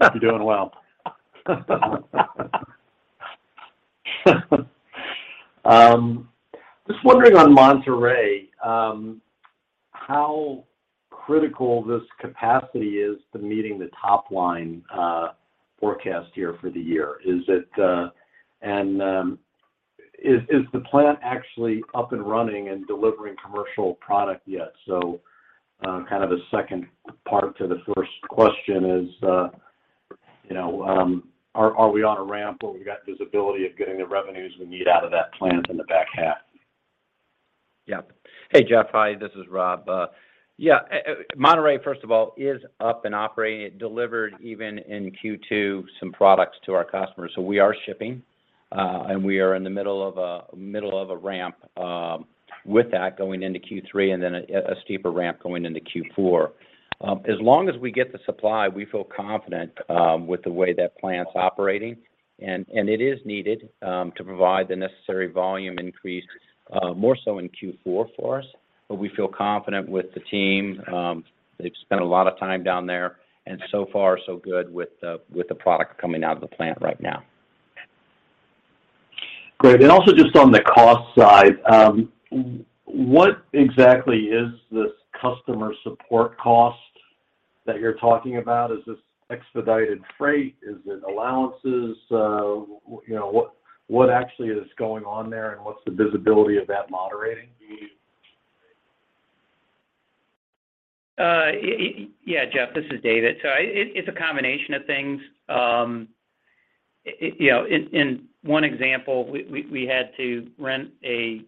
You're doing well. Just wondering on Monterrey, how critical this capacity is to meeting the top line forecast here for the year. Is the plant actually up and running and delivering commercial product yet? Kind of a second part to the first question is, you know, are we on a ramp where we've got visibility of getting the revenues we need out of that plant in the back half? Yeah. Hey, Jeff. Hi, this is Rob. Monterrey, first of all, is up and operating. It delivered even in Q2 some products to our customers. We are shipping, and we are in the middle of a ramp with that going into Q3, and then a steeper ramp going into Q4. As long as we get the supply, we feel confident with the way that plant's operating. It is needed to provide the necessary volume increase, more so in Q4 for us. We feel confident with the team. They've spent a lot of time down there, and so far so good with the product coming out of the plant right now. Great. Also just on the cost side, what exactly is this customer support cost that you're talking about? Is this expedited freight? Is it allowances? You know, what actually is going on there? And what's the visibility of that moderating? Yeah, Jeff, this is David. It's a combination of things. You know, in one example, we had to rent a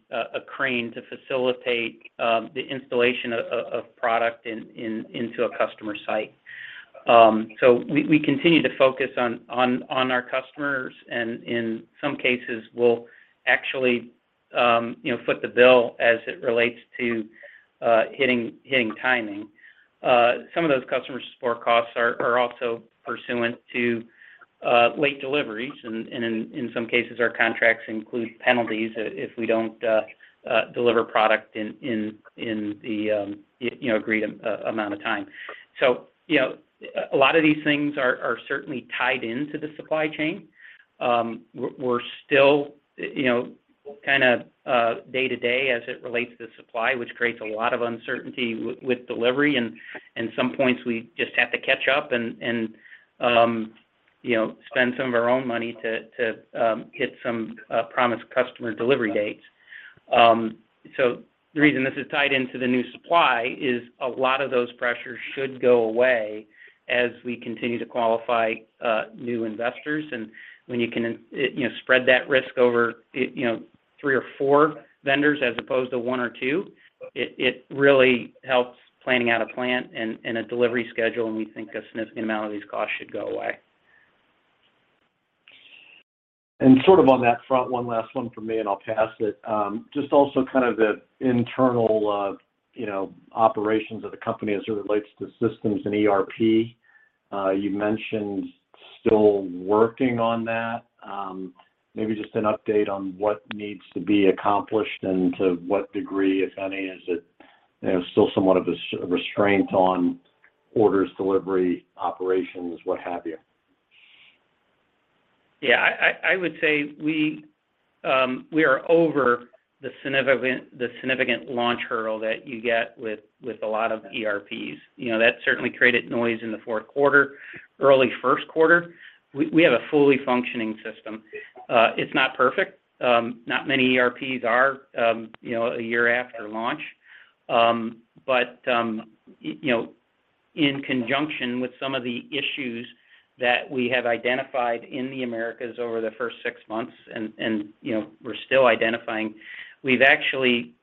crane to facilitate the installation of product into a customer site. We continue to focus on our customers and in some cases we'll actually you know foot the bill as it relates to hitting timing. Some of those customer support costs are also pursuant to late deliveries and in some cases our contracts include penalties if we don't deliver product in the you know agreed amount of time. You know, a lot of these things are certainly tied into the supply chain. We're still, you know, kind of, day to day as it relates to supply, which creates a lot of uncertainty with delivery. Some points we just have to catch up and you know, spend some of our own money to hit some promised customer delivery dates. The reason this is tied into the new supply is a lot of those pressures should go away as we continue to qualify new vendors. When you can you know, spread that risk over you know, three or four vendors as opposed to one or two, it really helps planning out a plan and a delivery schedule, and we think a significant amount of these costs should go away. Sort of on that front, one last one from me, and I'll pass it. Just also kind of the internal, you know, operations of the company as it relates to systems and ERP. You mentioned still working on that. Maybe just an update on what needs to be accomplished and to what degree, if any, is it, you know, still somewhat of a restraint on orders, delivery, operations, what have you? Yeah. I would say we are over the significant launch hurdle that you get with a lot of ERPs. You know, that certainly created noise in the fourth quarter, early first quarter. We have a fully functioning system. It's not perfect. Not many ERPs are, you know, a year after launch. But you know, in conjunction with some of the issues that we have identified in the Americas over the first six months, and you know, we're still identifying, we've actually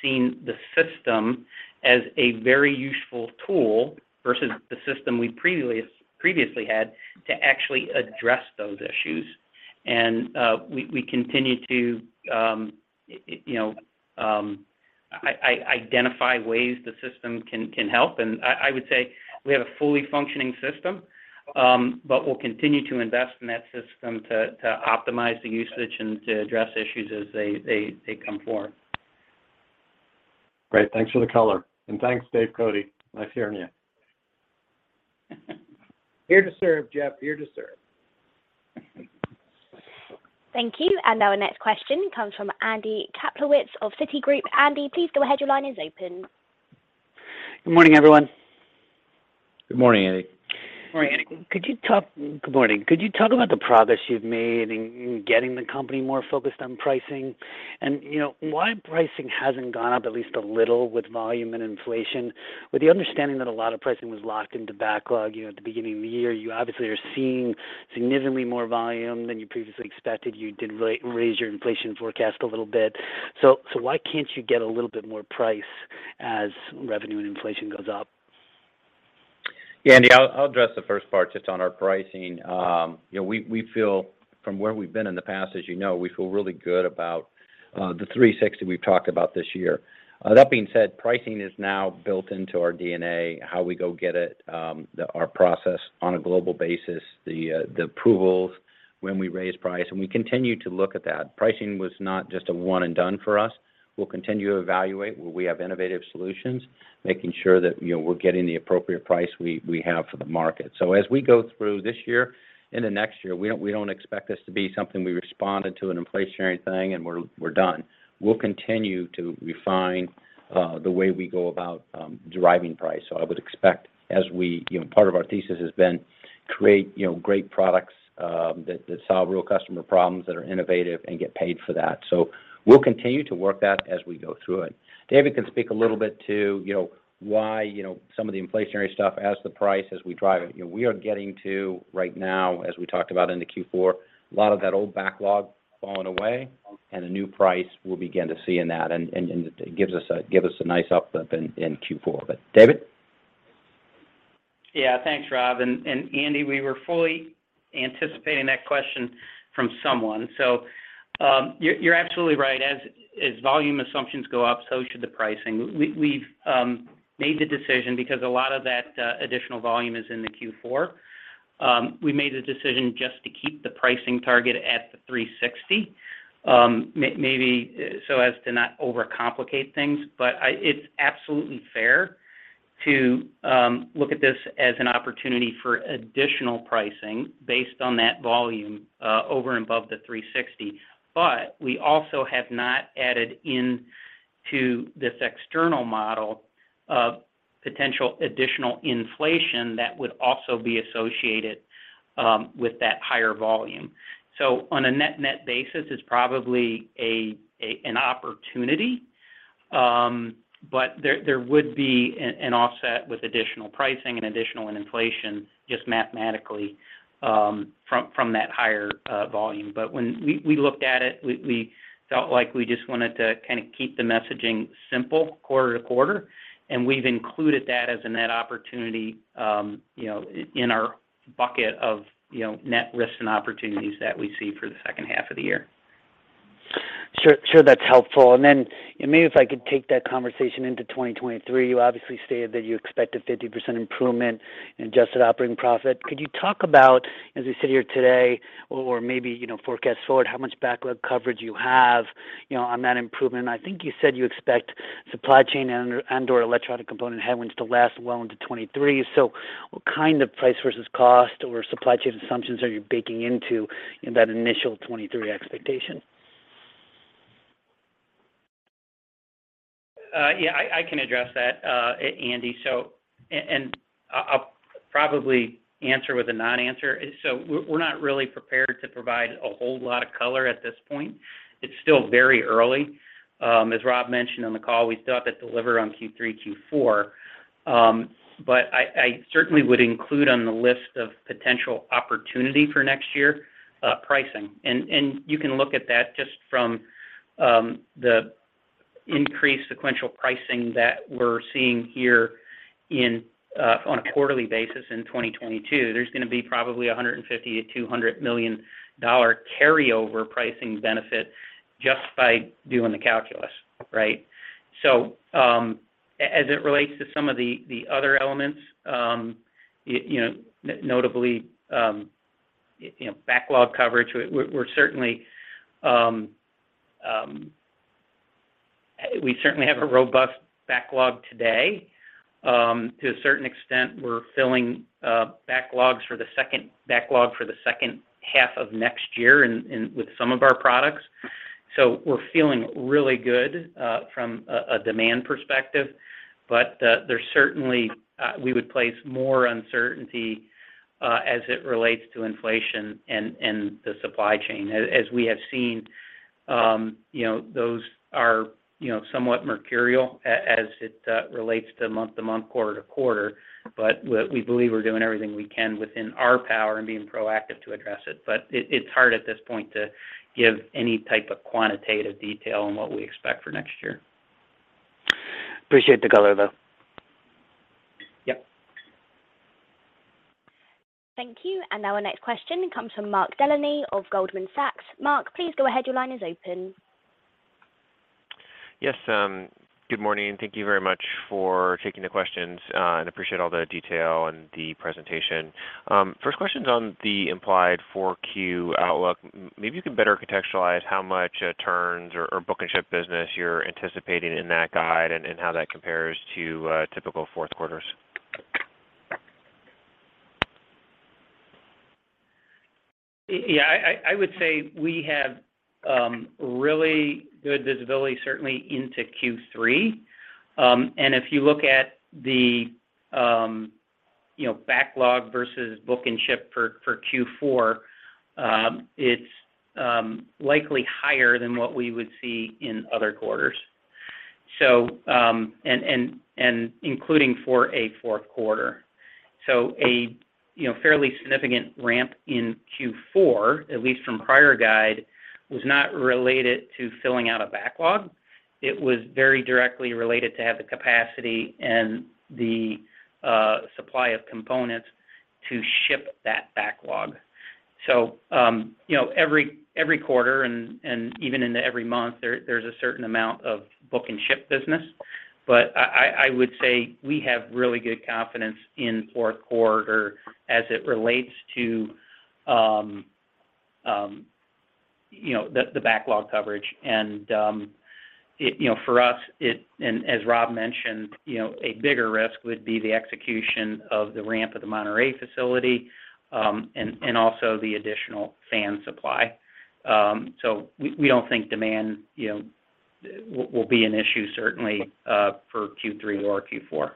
seen the system as a very useful tool versus the system we previously had to actually address those issues. We continue to you know identify ways the system can help. I would say we have a fully functioning system, but we'll continue to invest in that system to optimize the usage and to address issues as they come forward. Great. Thanks for the color. Thanks, Dave Cote. Nice hearing you. Here to serve, Jeff. Here to serve. Thank you. Our next question comes from Andy Kaplowitz of Citigroup. Andy, please go ahead. Your line is open. Good morning, everyone. Good morning, Andy. Morning, Andy. Good morning. Could you talk about the progress you've made in getting the company more focused on pricing? You know, why pricing hasn't gone up at least a little with volume and inflation? With the understanding that a lot of pricing was locked into backlog, you know, at the beginning of the year, you obviously are seeing significantly more volume than you previously expected. You did raise your inflation forecast a little bit. So why can't you get a little bit more price as revenue and inflation goes up? Yeah, Andy, I'll address the first part just on our pricing. You know, we feel from where we've been in the past, as you know, we feel really good about the 360 we've talked about this year. That being said, pricing is now built into our DNA, how we go get it, our process on a global basis, the approvals when we raise price, and we continue to look at that. Pricing was not just a one and done for us. We'll continue to evaluate where we have innovative solutions, making sure that, you know, we're getting the appropriate price we have for the market. So as we go through this year into next year, we don't expect this to be something we responded to an inflationary thing, and we're done. We'll continue to refine the way we go about driving price. I would expect. You know, part of our thesis has been create, you know, great products that solve real customer problems that are innovative and get paid for that. We'll continue to work that as we go through it. David can speak a little bit to, you know, why, you know, some of the inflationary stuff as the price, as we drive it. You know, we are getting there right now as we talked about into Q4, a lot of that old backlog falling away and a new price we'll begin to see in that. It gives us a nice uplift in Q4. David? Yeah. Thanks, Rob. Andy, we were fully anticipating that question from someone. You're absolutely right. As volume assumptions go up, so should the pricing. We've made the decision because a lot of that additional volume is in the Q4. We made the decision just to keep the pricing target at the $360, maybe so as to not overcomplicate things. It's absolutely fair to look at this as an opportunity for additional pricing based on that volume, over and above the $360. We also have not added into this external model of potential additional inflation that would also be associated with that higher volume. On a net-net basis, it's probably an opportunity. There would be an offset with additional pricing and additional inflation just mathematically from that higher volume. When we looked at it, we felt like we just wanted to kind of keep the messaging simple quarter to quarter. We've included that as a net opportunity, you know, in our bucket of, you know, net risks and opportunities that we see for the second half of the year. Sure, that's helpful. Maybe if I could take that conversation into 2023. You obviously stated that you expect a 50% improvement in adjusted operating profit. Could you talk about, as we sit here today or maybe, you know, forecast forward, how much backlog coverage you have, you know, on that improvement? I think you said you expect supply chain and/or electronic component headwinds to last well into 2023. What kind of price versus cost or supply chain assumptions are you baking into, in that initial 2023 expectation? Yeah, I can address that, Andy. And I'll probably answer with a non-answer. We're not really prepared to provide a whole lot of color at this point. It's still very early. As Rob mentioned on the call, we still have to deliver on Q3, Q4. I certainly would include on the list of potential opportunity for next year, pricing. You can look at that just from the increased sequential pricing that we're seeing here in on a quarterly basis in 2022. There's gonna be probably a $150 million-$200 million carryover pricing benefit just by doing the calculus, right? As it relates to some of the other elements, you know, notably, backlog coverage, we're certainly. We certainly have a robust backlog today. To a certain extent, we're filling backlog for the second half of next year with some of our products. We're feeling really good from a demand perspective. There's certainly we would place more uncertainty as it relates to inflation and the supply chain. As we have seen, you know, those are, you know, somewhat mercurial as it relates to month-to-month, quarter-to-quarter. We believe we're doing everything we can within our power and being proactive to address it. It's hard at this point to give any type of quantitative detail on what we expect for next year. Appreciate the color, though. Yep. Thank you. Now our next question comes from Mark Delaney of Goldman Sachs. Mark, please go ahead. Your line is open. Yes. Good morning. Thank you very much for taking the questions, and appreciate all the detail and the presentation. First question is on the implied 4Q outlook. Maybe you can better contextualize how much turns or book and ship business you're anticipating in that guide and how that compares to typical fourth quarters. I would say we have really good visibility certainly into Q3. If you look at you know, backlog versus book and ship for Q4, it's likely higher than what we would see in other quarters. Including for a fourth quarter. You know, fairly significant ramp in Q4, at least from prior guide, was not related to filling out a backlog. It was very directly related to have the capacity and the supply of components to ship that backlog. You know, every quarter and even in every month, there's a certain amount of book and ship business. I would say we have really good confidence in fourth quarter as it relates to You know, the backlog coverage. You know, for us, as Rob mentioned, you know, a bigger risk would be the execution of the ramp of the Monterrey facility, and also the additional fan supply. We don't think demand, you know, will be an issue certainly for Q3 or Q4.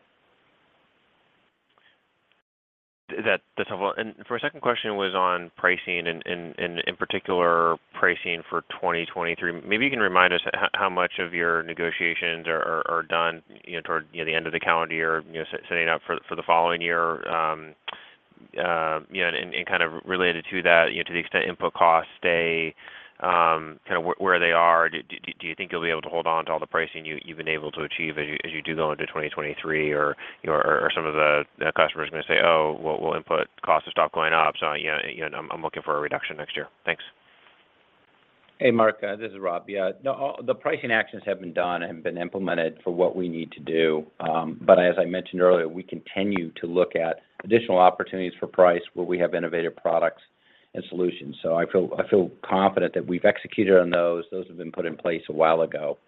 That's helpful. For our second question was on pricing and, in particular pricing for 2023. Maybe you can remind us how much of your negotiations are done, you know, toward, you know, the end of the calendar year, you know, setting up for the following year. You know, kind of related to that, you know, to the extent input costs stay, kind of where they are, do you think you'll be able to hold on to all the pricing you've been able to achieve as you do go into 2023 or, you know, or some of the customers are gonna say, "Oh, well, input costs are still going up, so, you know, I'm looking for a reduction next year." Thanks. Hey, Mark, this is Rob. No, all the pricing actions have been done and been implemented for what we need to do. As I mentioned earlier, we continue to look at additional opportunities for price where we have innovative products and solutions. I feel confident that we've executed on those. Those have been put in place a while ago,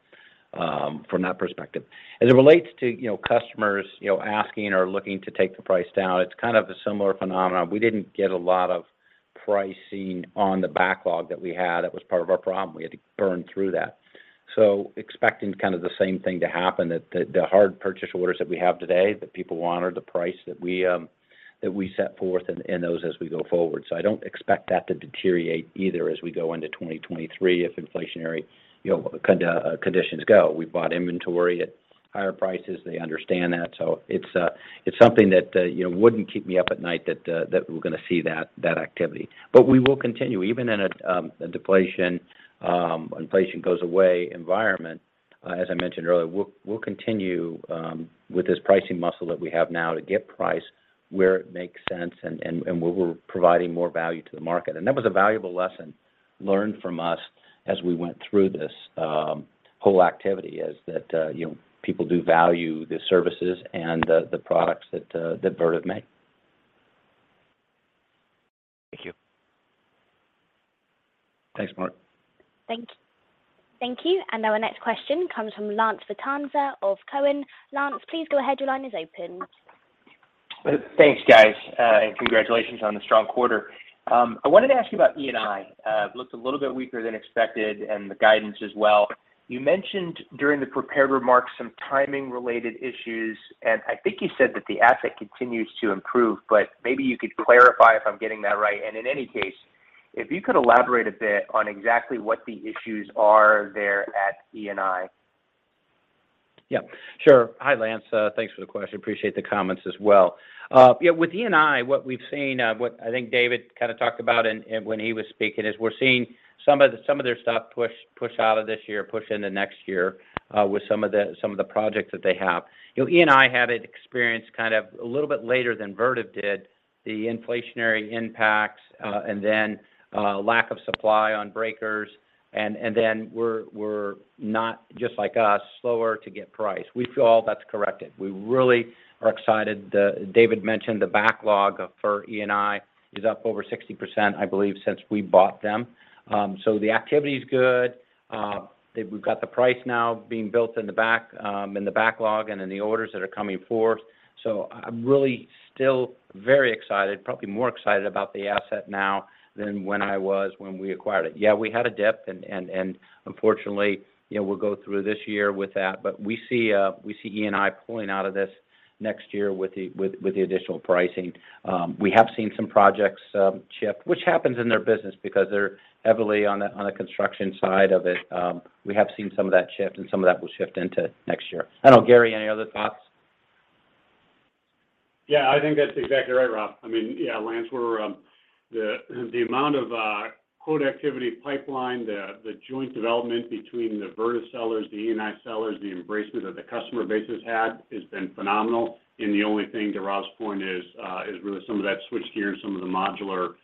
from that perspective. As it relates to, you know, customers, you know, asking or looking to take the price down, it's kind of a similar phenomenon. We didn't get a lot of pricing on the backlog that we had. That was part of our problem. We had to burn through that. Expecting kind of the same thing to happen, that the hard purchase orders that we have today, that people want are the price that we set forth in those as we go forward. I don't expect that to deteriorate either as we go into 2023 if inflationary, you know, conditions go. We've bought inventory at higher prices. They understand that. It's something that, you know, wouldn't keep me up at night that we're gonna see that activity. We will continue, even in a deflation, inflation goes away environment, as I mentioned earlier, we'll continue with this pricing muscle that we have now to get price where it makes sense and where we're providing more value to the market. That was a valuable lesson learned from us as we went through this whole activity, is that, you know, people do value the services and the products that Vertiv make. Thank you. Thanks, Mark. Thank you. Our next question comes from Lance Vitanza of Cowen. Lance, please go ahead. Your line is open. Thanks, guys, and congratulations on the strong quarter. I wanted to ask you about E&I. It looked a little bit weaker than expected and the guidance as well. You mentioned during the prepared remarks some timing related issues, and I think you said that the asset continues to improve, but maybe you could clarify if I'm getting that right. In any case, if you could elaborate a bit on exactly what the issues are there at E&I. Yeah, sure. Hi, Lance. Thanks for the question. Appreciate the comments as well. Yeah, with E&I, what we've seen, what I think David kind of talked about and when he was speaking is we're seeing some of the, some of their stuff push out of this year, push into next year, with some of the projects that they have. You know, E&I had experienced kind of a little bit later than Vertiv did the inflationary impacts, and then lack of supply on breakers and then were not just like us, slower to get price. We feel that's corrected. We really are excited. David mentioned the backlog for E&I is up over 60%, I believe, since we bought them. So the activity's good. We've got the price now being built in the back, in the backlog and in the orders that are coming forth. I'm really still very excited, probably more excited about the asset now than when I was when we acquired it. Yeah, we had a dip and unfortunately, you know, we'll go through this year with that. We see E&I pulling out of this next year with the additional pricing. We have seen some projects shift, which happens in their business because they're heavily on the construction side of it. We have seen some of that shift, and some of that will shift into next year. I don't know, Gary, any other thoughts? Yeah, I think that's exactly right, Rob. I mean, yeah, Lance, the amount of quote activity pipeline, the joint development between the Vertiv sellers, the E&I sellers, the embrace that the customer base has had has been phenomenal. The only thing, to Rob's point is really some of that switchgear and some of the modular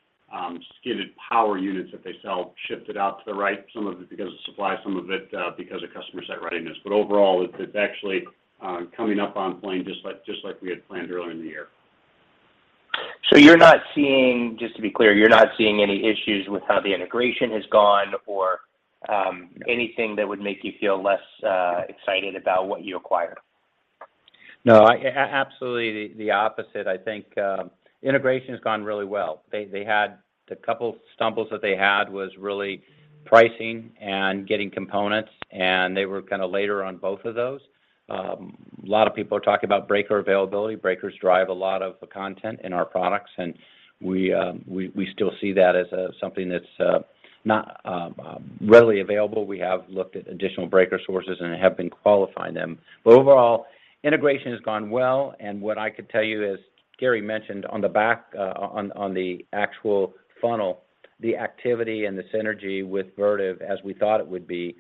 skidded power units that they sell shifted out to the right, some of it because of supply, some of it because of customer site readiness. Overall, it's actually coming up on plan just like we had planned earlier in the year. You're not seeing, just to be clear, you're not seeing any issues with how the integration has gone or anything that would make you feel less excited about what you acquired? No, absolutely the opposite. I think, integration has gone really well. They had the couple stumbles that they had was really pricing and getting components, and they were kind of later on both of those. A lot of people are talking about breaker availability. Breakers drive a lot of the content in our products, and we still see that as something that's not readily available. We have looked at additional breaker sources and have been qualifying them. Overall, integration has gone well, and what I could tell you, as Gary mentioned, on the back, on the actual funnel, the activity and the synergy with Vertiv, as we thought it would be,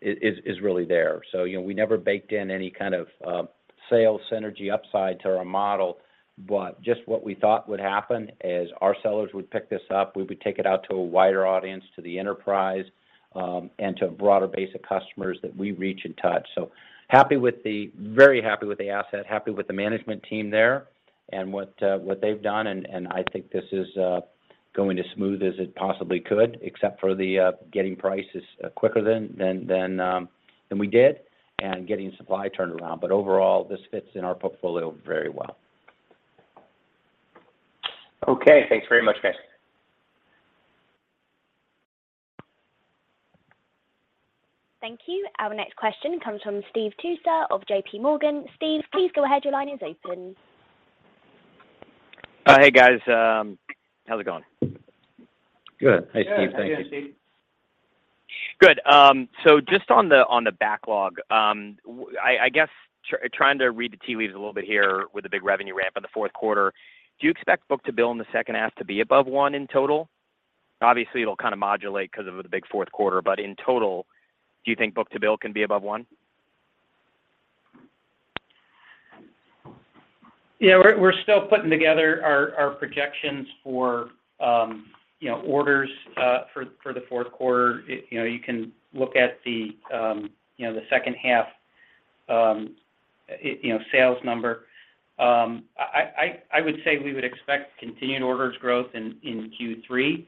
is really there. You know, we never baked in any kind of sales synergy upside to our model, but just what we thought would happen is our sellers would pick this up, we would take it out to a wider audience, to the enterprise, and to a broader base of customers that we reach and touch. Very happy with the asset, happy with the management team there. What they've done, and I think this is going as smooth as it possibly could, except for the getting prices quicker than we did, and getting supply turned around. Overall, this fits in our portfolio very well. Okay. Thanks very much, guys. Thank you. Our next question comes from Steve Tusa of JPMorgan. Steve, please go ahead. Your line is open. Hey, guys. How's it going? Good. Hey, Steve. Thank you. Good. Hey, Steve. Good. Just on the backlog, I guess trying to read the tea leaves a little bit here with the big revenue ramp in the fourth quarter, do you expect book-to-bill in the second half to be above one in total? Obviously, it'll kind of modulate 'cause of the big fourth quarter, but in total, do you think book-to-bill can be above one? Yeah. We're still putting together our projections for you know orders for the fourth quarter. You know, you can look at the you know the second half you know sales number. I would say we would expect continued orders growth in Q3.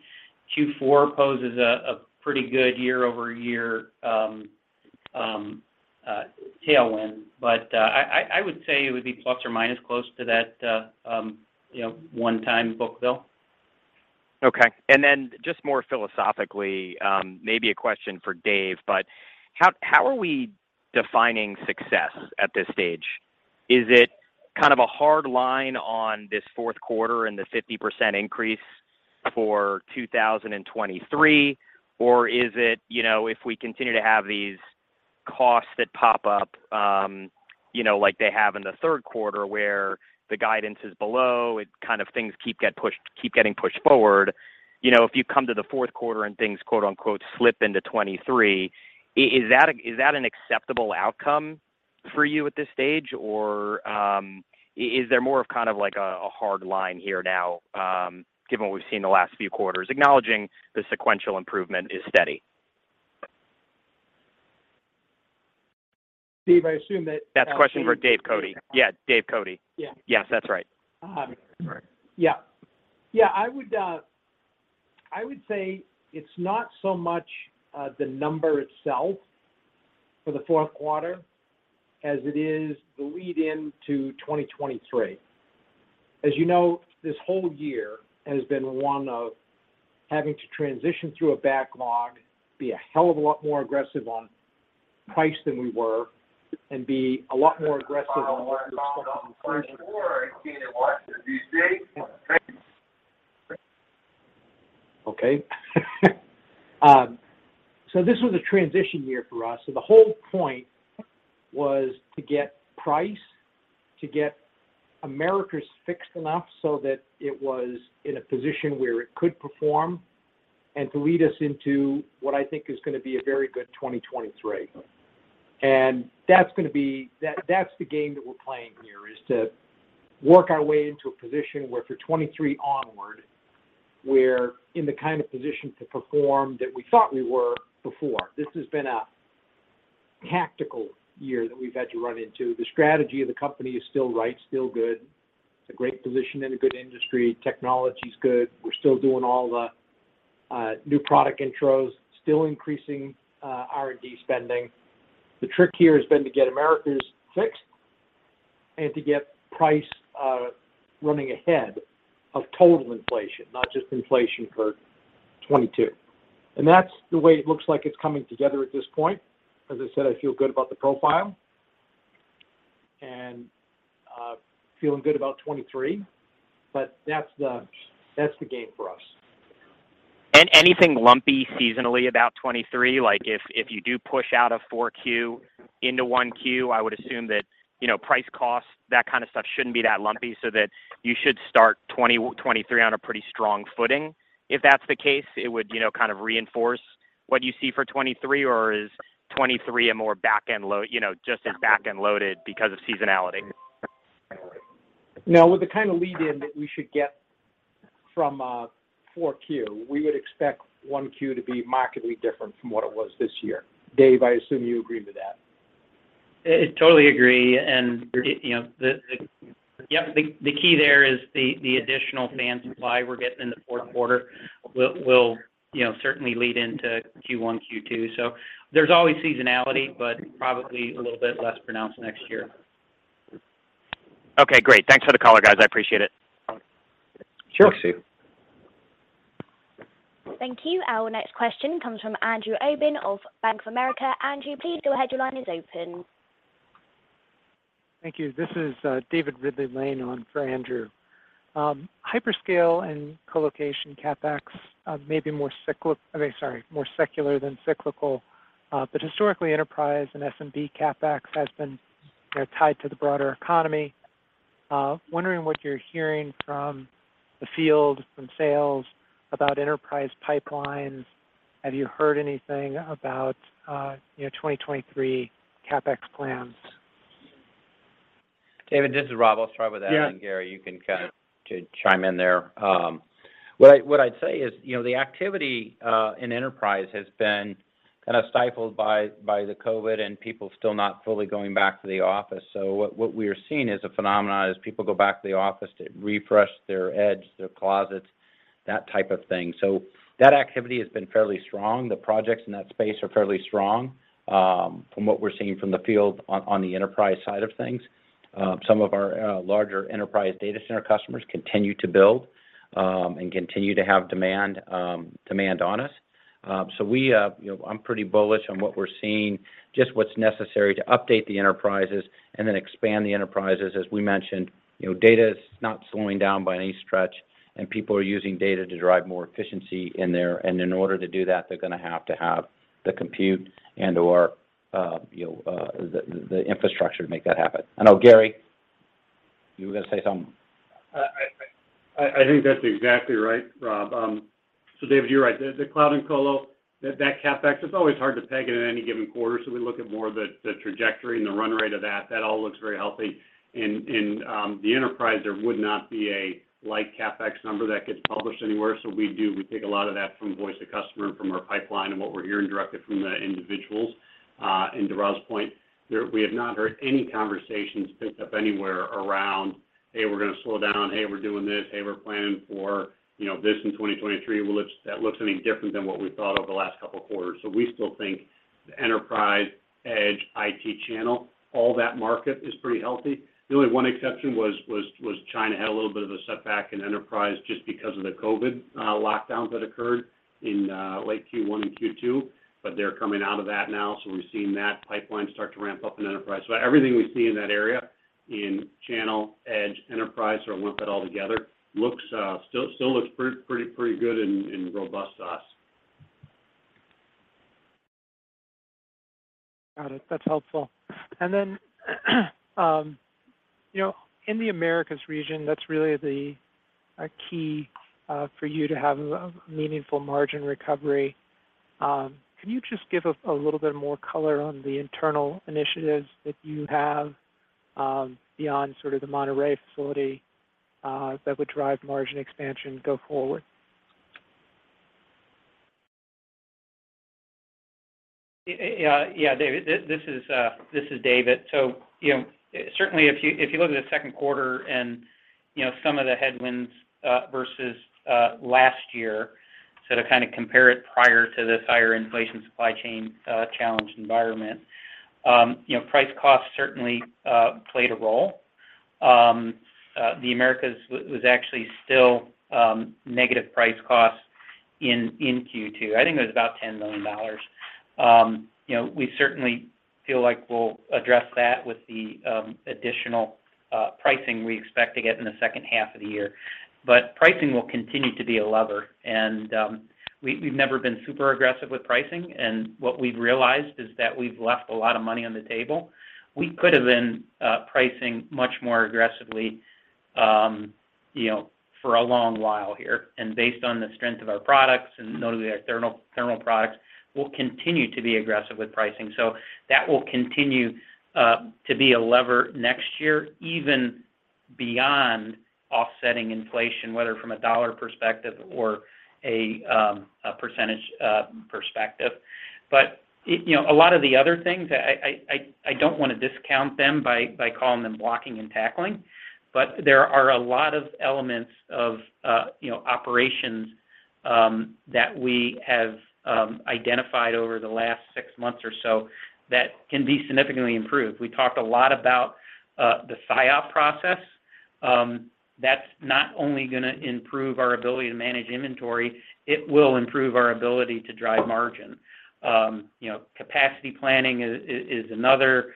Q4 poses a pretty good year-over-year tailwind. I would say it would be plus or minus close to that you know one-time book-to-bill. Okay. Then just more philosophically, maybe a question for Dave. How are we defining success at this stage? Is it kind of a hard line on this fourth quarter and the 50% increase for 2023? Or is it, you know, if we continue to have these costs that pop up, you know, like they have in the third quarter, where the guidance is below it, kind of things keep getting pushed forward. You know, if you come to the fourth quarter and things, quote-unquote, "slip into 2023," is that an acceptable outcome for you at this stage? Or is there more of kind of like a hard line here now, given what we've seen the last few quarters? Acknowledging the sequential improvement is steady. Steve, I assume that. That's a question for Dave Cote. Yeah, Dave Cote. Yeah. Yes, that's right. Right. Yeah. Yeah. I would say it's not so much the number itself for the fourth quarter as it is the lead-in to 2023. As you know, this whole year has been one of having to transition through a backlog, be a hell of a lot more aggressive on price than we were, and be a lot more aggressive on where to put it in the first place. Okay. This was a transition year for us. The whole point was to get price, to get Americas fixed enough so that it was in a position where it could perform and to lead us into what I think is gonna be a very good 2023. That's the game that we're playing here, is to work our way into a position where for 2023 onward, we're in the kind of position to perform that we thought we were before. This has been a tactical year that we've had to run into. The strategy of the company is still right, still good. It's a great position in a good industry. Technology's good. We're still doing all the new product intros, still increasing R&D spending. The trick here has been to get Americas fixed and to get price running ahead of total inflation, not just inflation for 2022. That's the way it looks like it's coming together at this point. As I said, I feel good about the profile and feeling good about 2023. That's the game for us. Anything lumpy seasonally about 2023? Like, if you do push out a 4Q into 1Q, I would assume that, you know, price costs, that kind of stuff shouldn't be that lumpy, so that you should start 2023 on a pretty strong footing. If that's the case, it would, you know, kind of reinforce what you see for 2023, or is 2023 a more back-end load, you know, just as back-end loaded because of seasonality? No. With the kind of lead-in that we should get from 4Q, we would expect 1Q to be markedly different from what it was this year. Dave, I assume you agree with that. Totally agree. You know, the key there is the additional fan supply we're getting in the fourth quarter will you know certainly lead into Q1, Q2. There's always seasonality, but probably a little bit less pronounced next year. Okay. Great. Thanks for the color, guys. I appreciate it. Sure. Thanks, Steve. Thank you. Our next question comes from Andrew Obin of Bank of America. Andrew, please go ahead. Your line is open. Thank you. This is David Ridley-Lane in for Andrew Obin. Hyperscale and colocation CapEx may be more secular than cyclical. Historically, enterprise and S&P CapEx has been tied to the broader economy. Wondering what you're hearing from the field, from sales about enterprise pipelines. Have you heard anything about, you know, 2023 CapEx plans? David, this is Rob. I'll start with that. Yeah. Gary, you can kind of chime in there. What I'd say is, you know, the activity in enterprise has been kind of stifled by the COVID and people still not fully going back to the office. What we are seeing is a phenomenon as people go back to the office to refresh their edge, their closets, that type of thing. That activity has been fairly strong. The projects in that space are fairly strong, from what we're seeing from the field on the enterprise side of things. Some of our larger enterprise data center customers continue to build and continue to have demand on us. We, you know, I'm pretty bullish on what we're seeing, just what's necessary to update the enterprises and then expand the enterprises. As we mentioned, you know, data is not slowing down by any stretch, and people are using data to drive more efficiency in there. In order to do that, they're gonna have to have the compute and/or, you know, the infrastructure to make that happen. I know, Gary, you were gonna say something. I think that's exactly right, Rob. David, you're right. The cloud and colo, that CapEx, it's always hard to peg it in any given quarter, so we look at more the trajectory and the run rate of that. That all looks very healthy. The enterprise, there would not be a like CapEx number that gets published anywhere, so we take a lot of that from voice of customer and from our pipeline and what we're hearing directly from the individuals. To Rob's point, we have not heard any conversations picked up anywhere around, "Hey, we're gonna slow down. Hey, we're doing this. Hey, we're planning for, you know, this in 2023." Well, that looks any different than what we thought over the last couple of quarters. We still think the enterprise edge IT channel, all that market is pretty healthy. The only one exception was China had a little bit of a setback in enterprise just because of the COVID lockdowns that occurred in late Q1 and Q2, but they're coming out of that now, so we've seen that pipeline start to ramp up in enterprise. Everything we see in that area in channel, edge, enterprise, sort of lump it all together, still looks pretty good and robust to us. Got it. That's helpful. You know, in the Americas region, that's really the key for you to have a meaningful margin recovery. Can you just give a little bit more color on the internal initiatives that you have beyond sort of the Monterrey facility that would drive margin expansion go forward? David, this is David. You know, certainly if you look at the second quarter and some of the headwinds versus last year, to kind of compare it prior to this higher inflation supply chain challenged environment. You know, price cost certainly played a role. The Americas was actually still negative price cost in Q2. I think it was about $10 million. You know, we certainly feel like we'll address that with the additional pricing we expect to get in the second half of the year. Pricing will continue to be a lever, and we've never been super aggressive with pricing, and what we've realized is that we've left a lot of money on the table. We could have been pricing much more aggressively, you know, for a long while here. Based on the strength of our products and notably our thermal products, we'll continue to be aggressive with pricing. That will continue to be a lever next year, even beyond offsetting inflation, whether from a dollar perspective or a percentage perspective. It, you know, a lot of the other things, I don't wanna discount them by calling them blocking and tackling, but there are a lot of elements of, you know, operations that we have identified over the last six months or so that can be significantly improved. We talked a lot about the SIOP process. That's not only gonna improve our ability to manage inventory, it will improve our ability to drive margin. You know, capacity planning is another.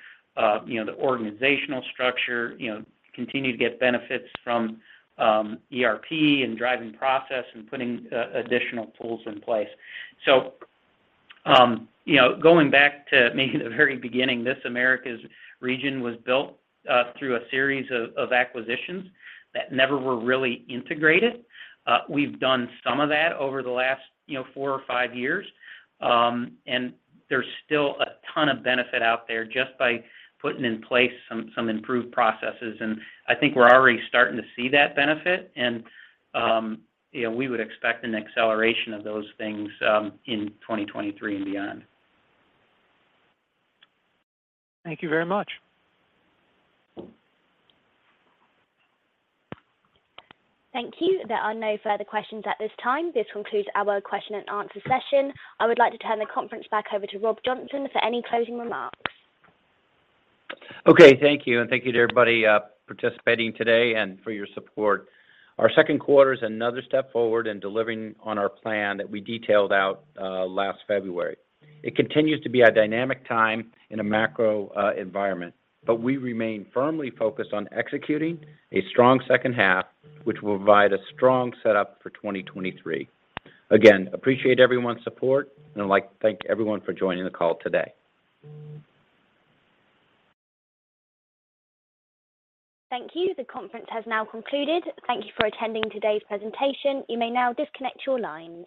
You know, the organizational structure continues to get benefits from ERP and driving process and putting additional tools in place. You know, going back to maybe the very beginning, this Americas region was built through a series of acquisitions that never were really integrated. We've done some of that over the last four or five years. There's still a ton of benefit out there just by putting in place some improved processes. I think we're already starting to see that benefit. You know, we would expect an acceleration of those things in 2023 and beyond. Thank you very much. Thank you. There are no further questions at this time. This concludes our question and answer session. I would like to turn the conference back over to Rob Johnson for any closing remarks. Okay. Thank you. Thank you to everybody, participating today and for your support. Our second quarter is another step forward in delivering on our plan that we detailed out, last February. It continues to be a dynamic time in a macro, environment, but we remain firmly focused on executing a strong second half, which will provide a strong setup for 2023. Again, appreciate everyone's support, and I'd like to thank everyone for joining the call today. Thank you. The conference has now concluded. Thank you for attending today's presentation. You may now disconnect your lines.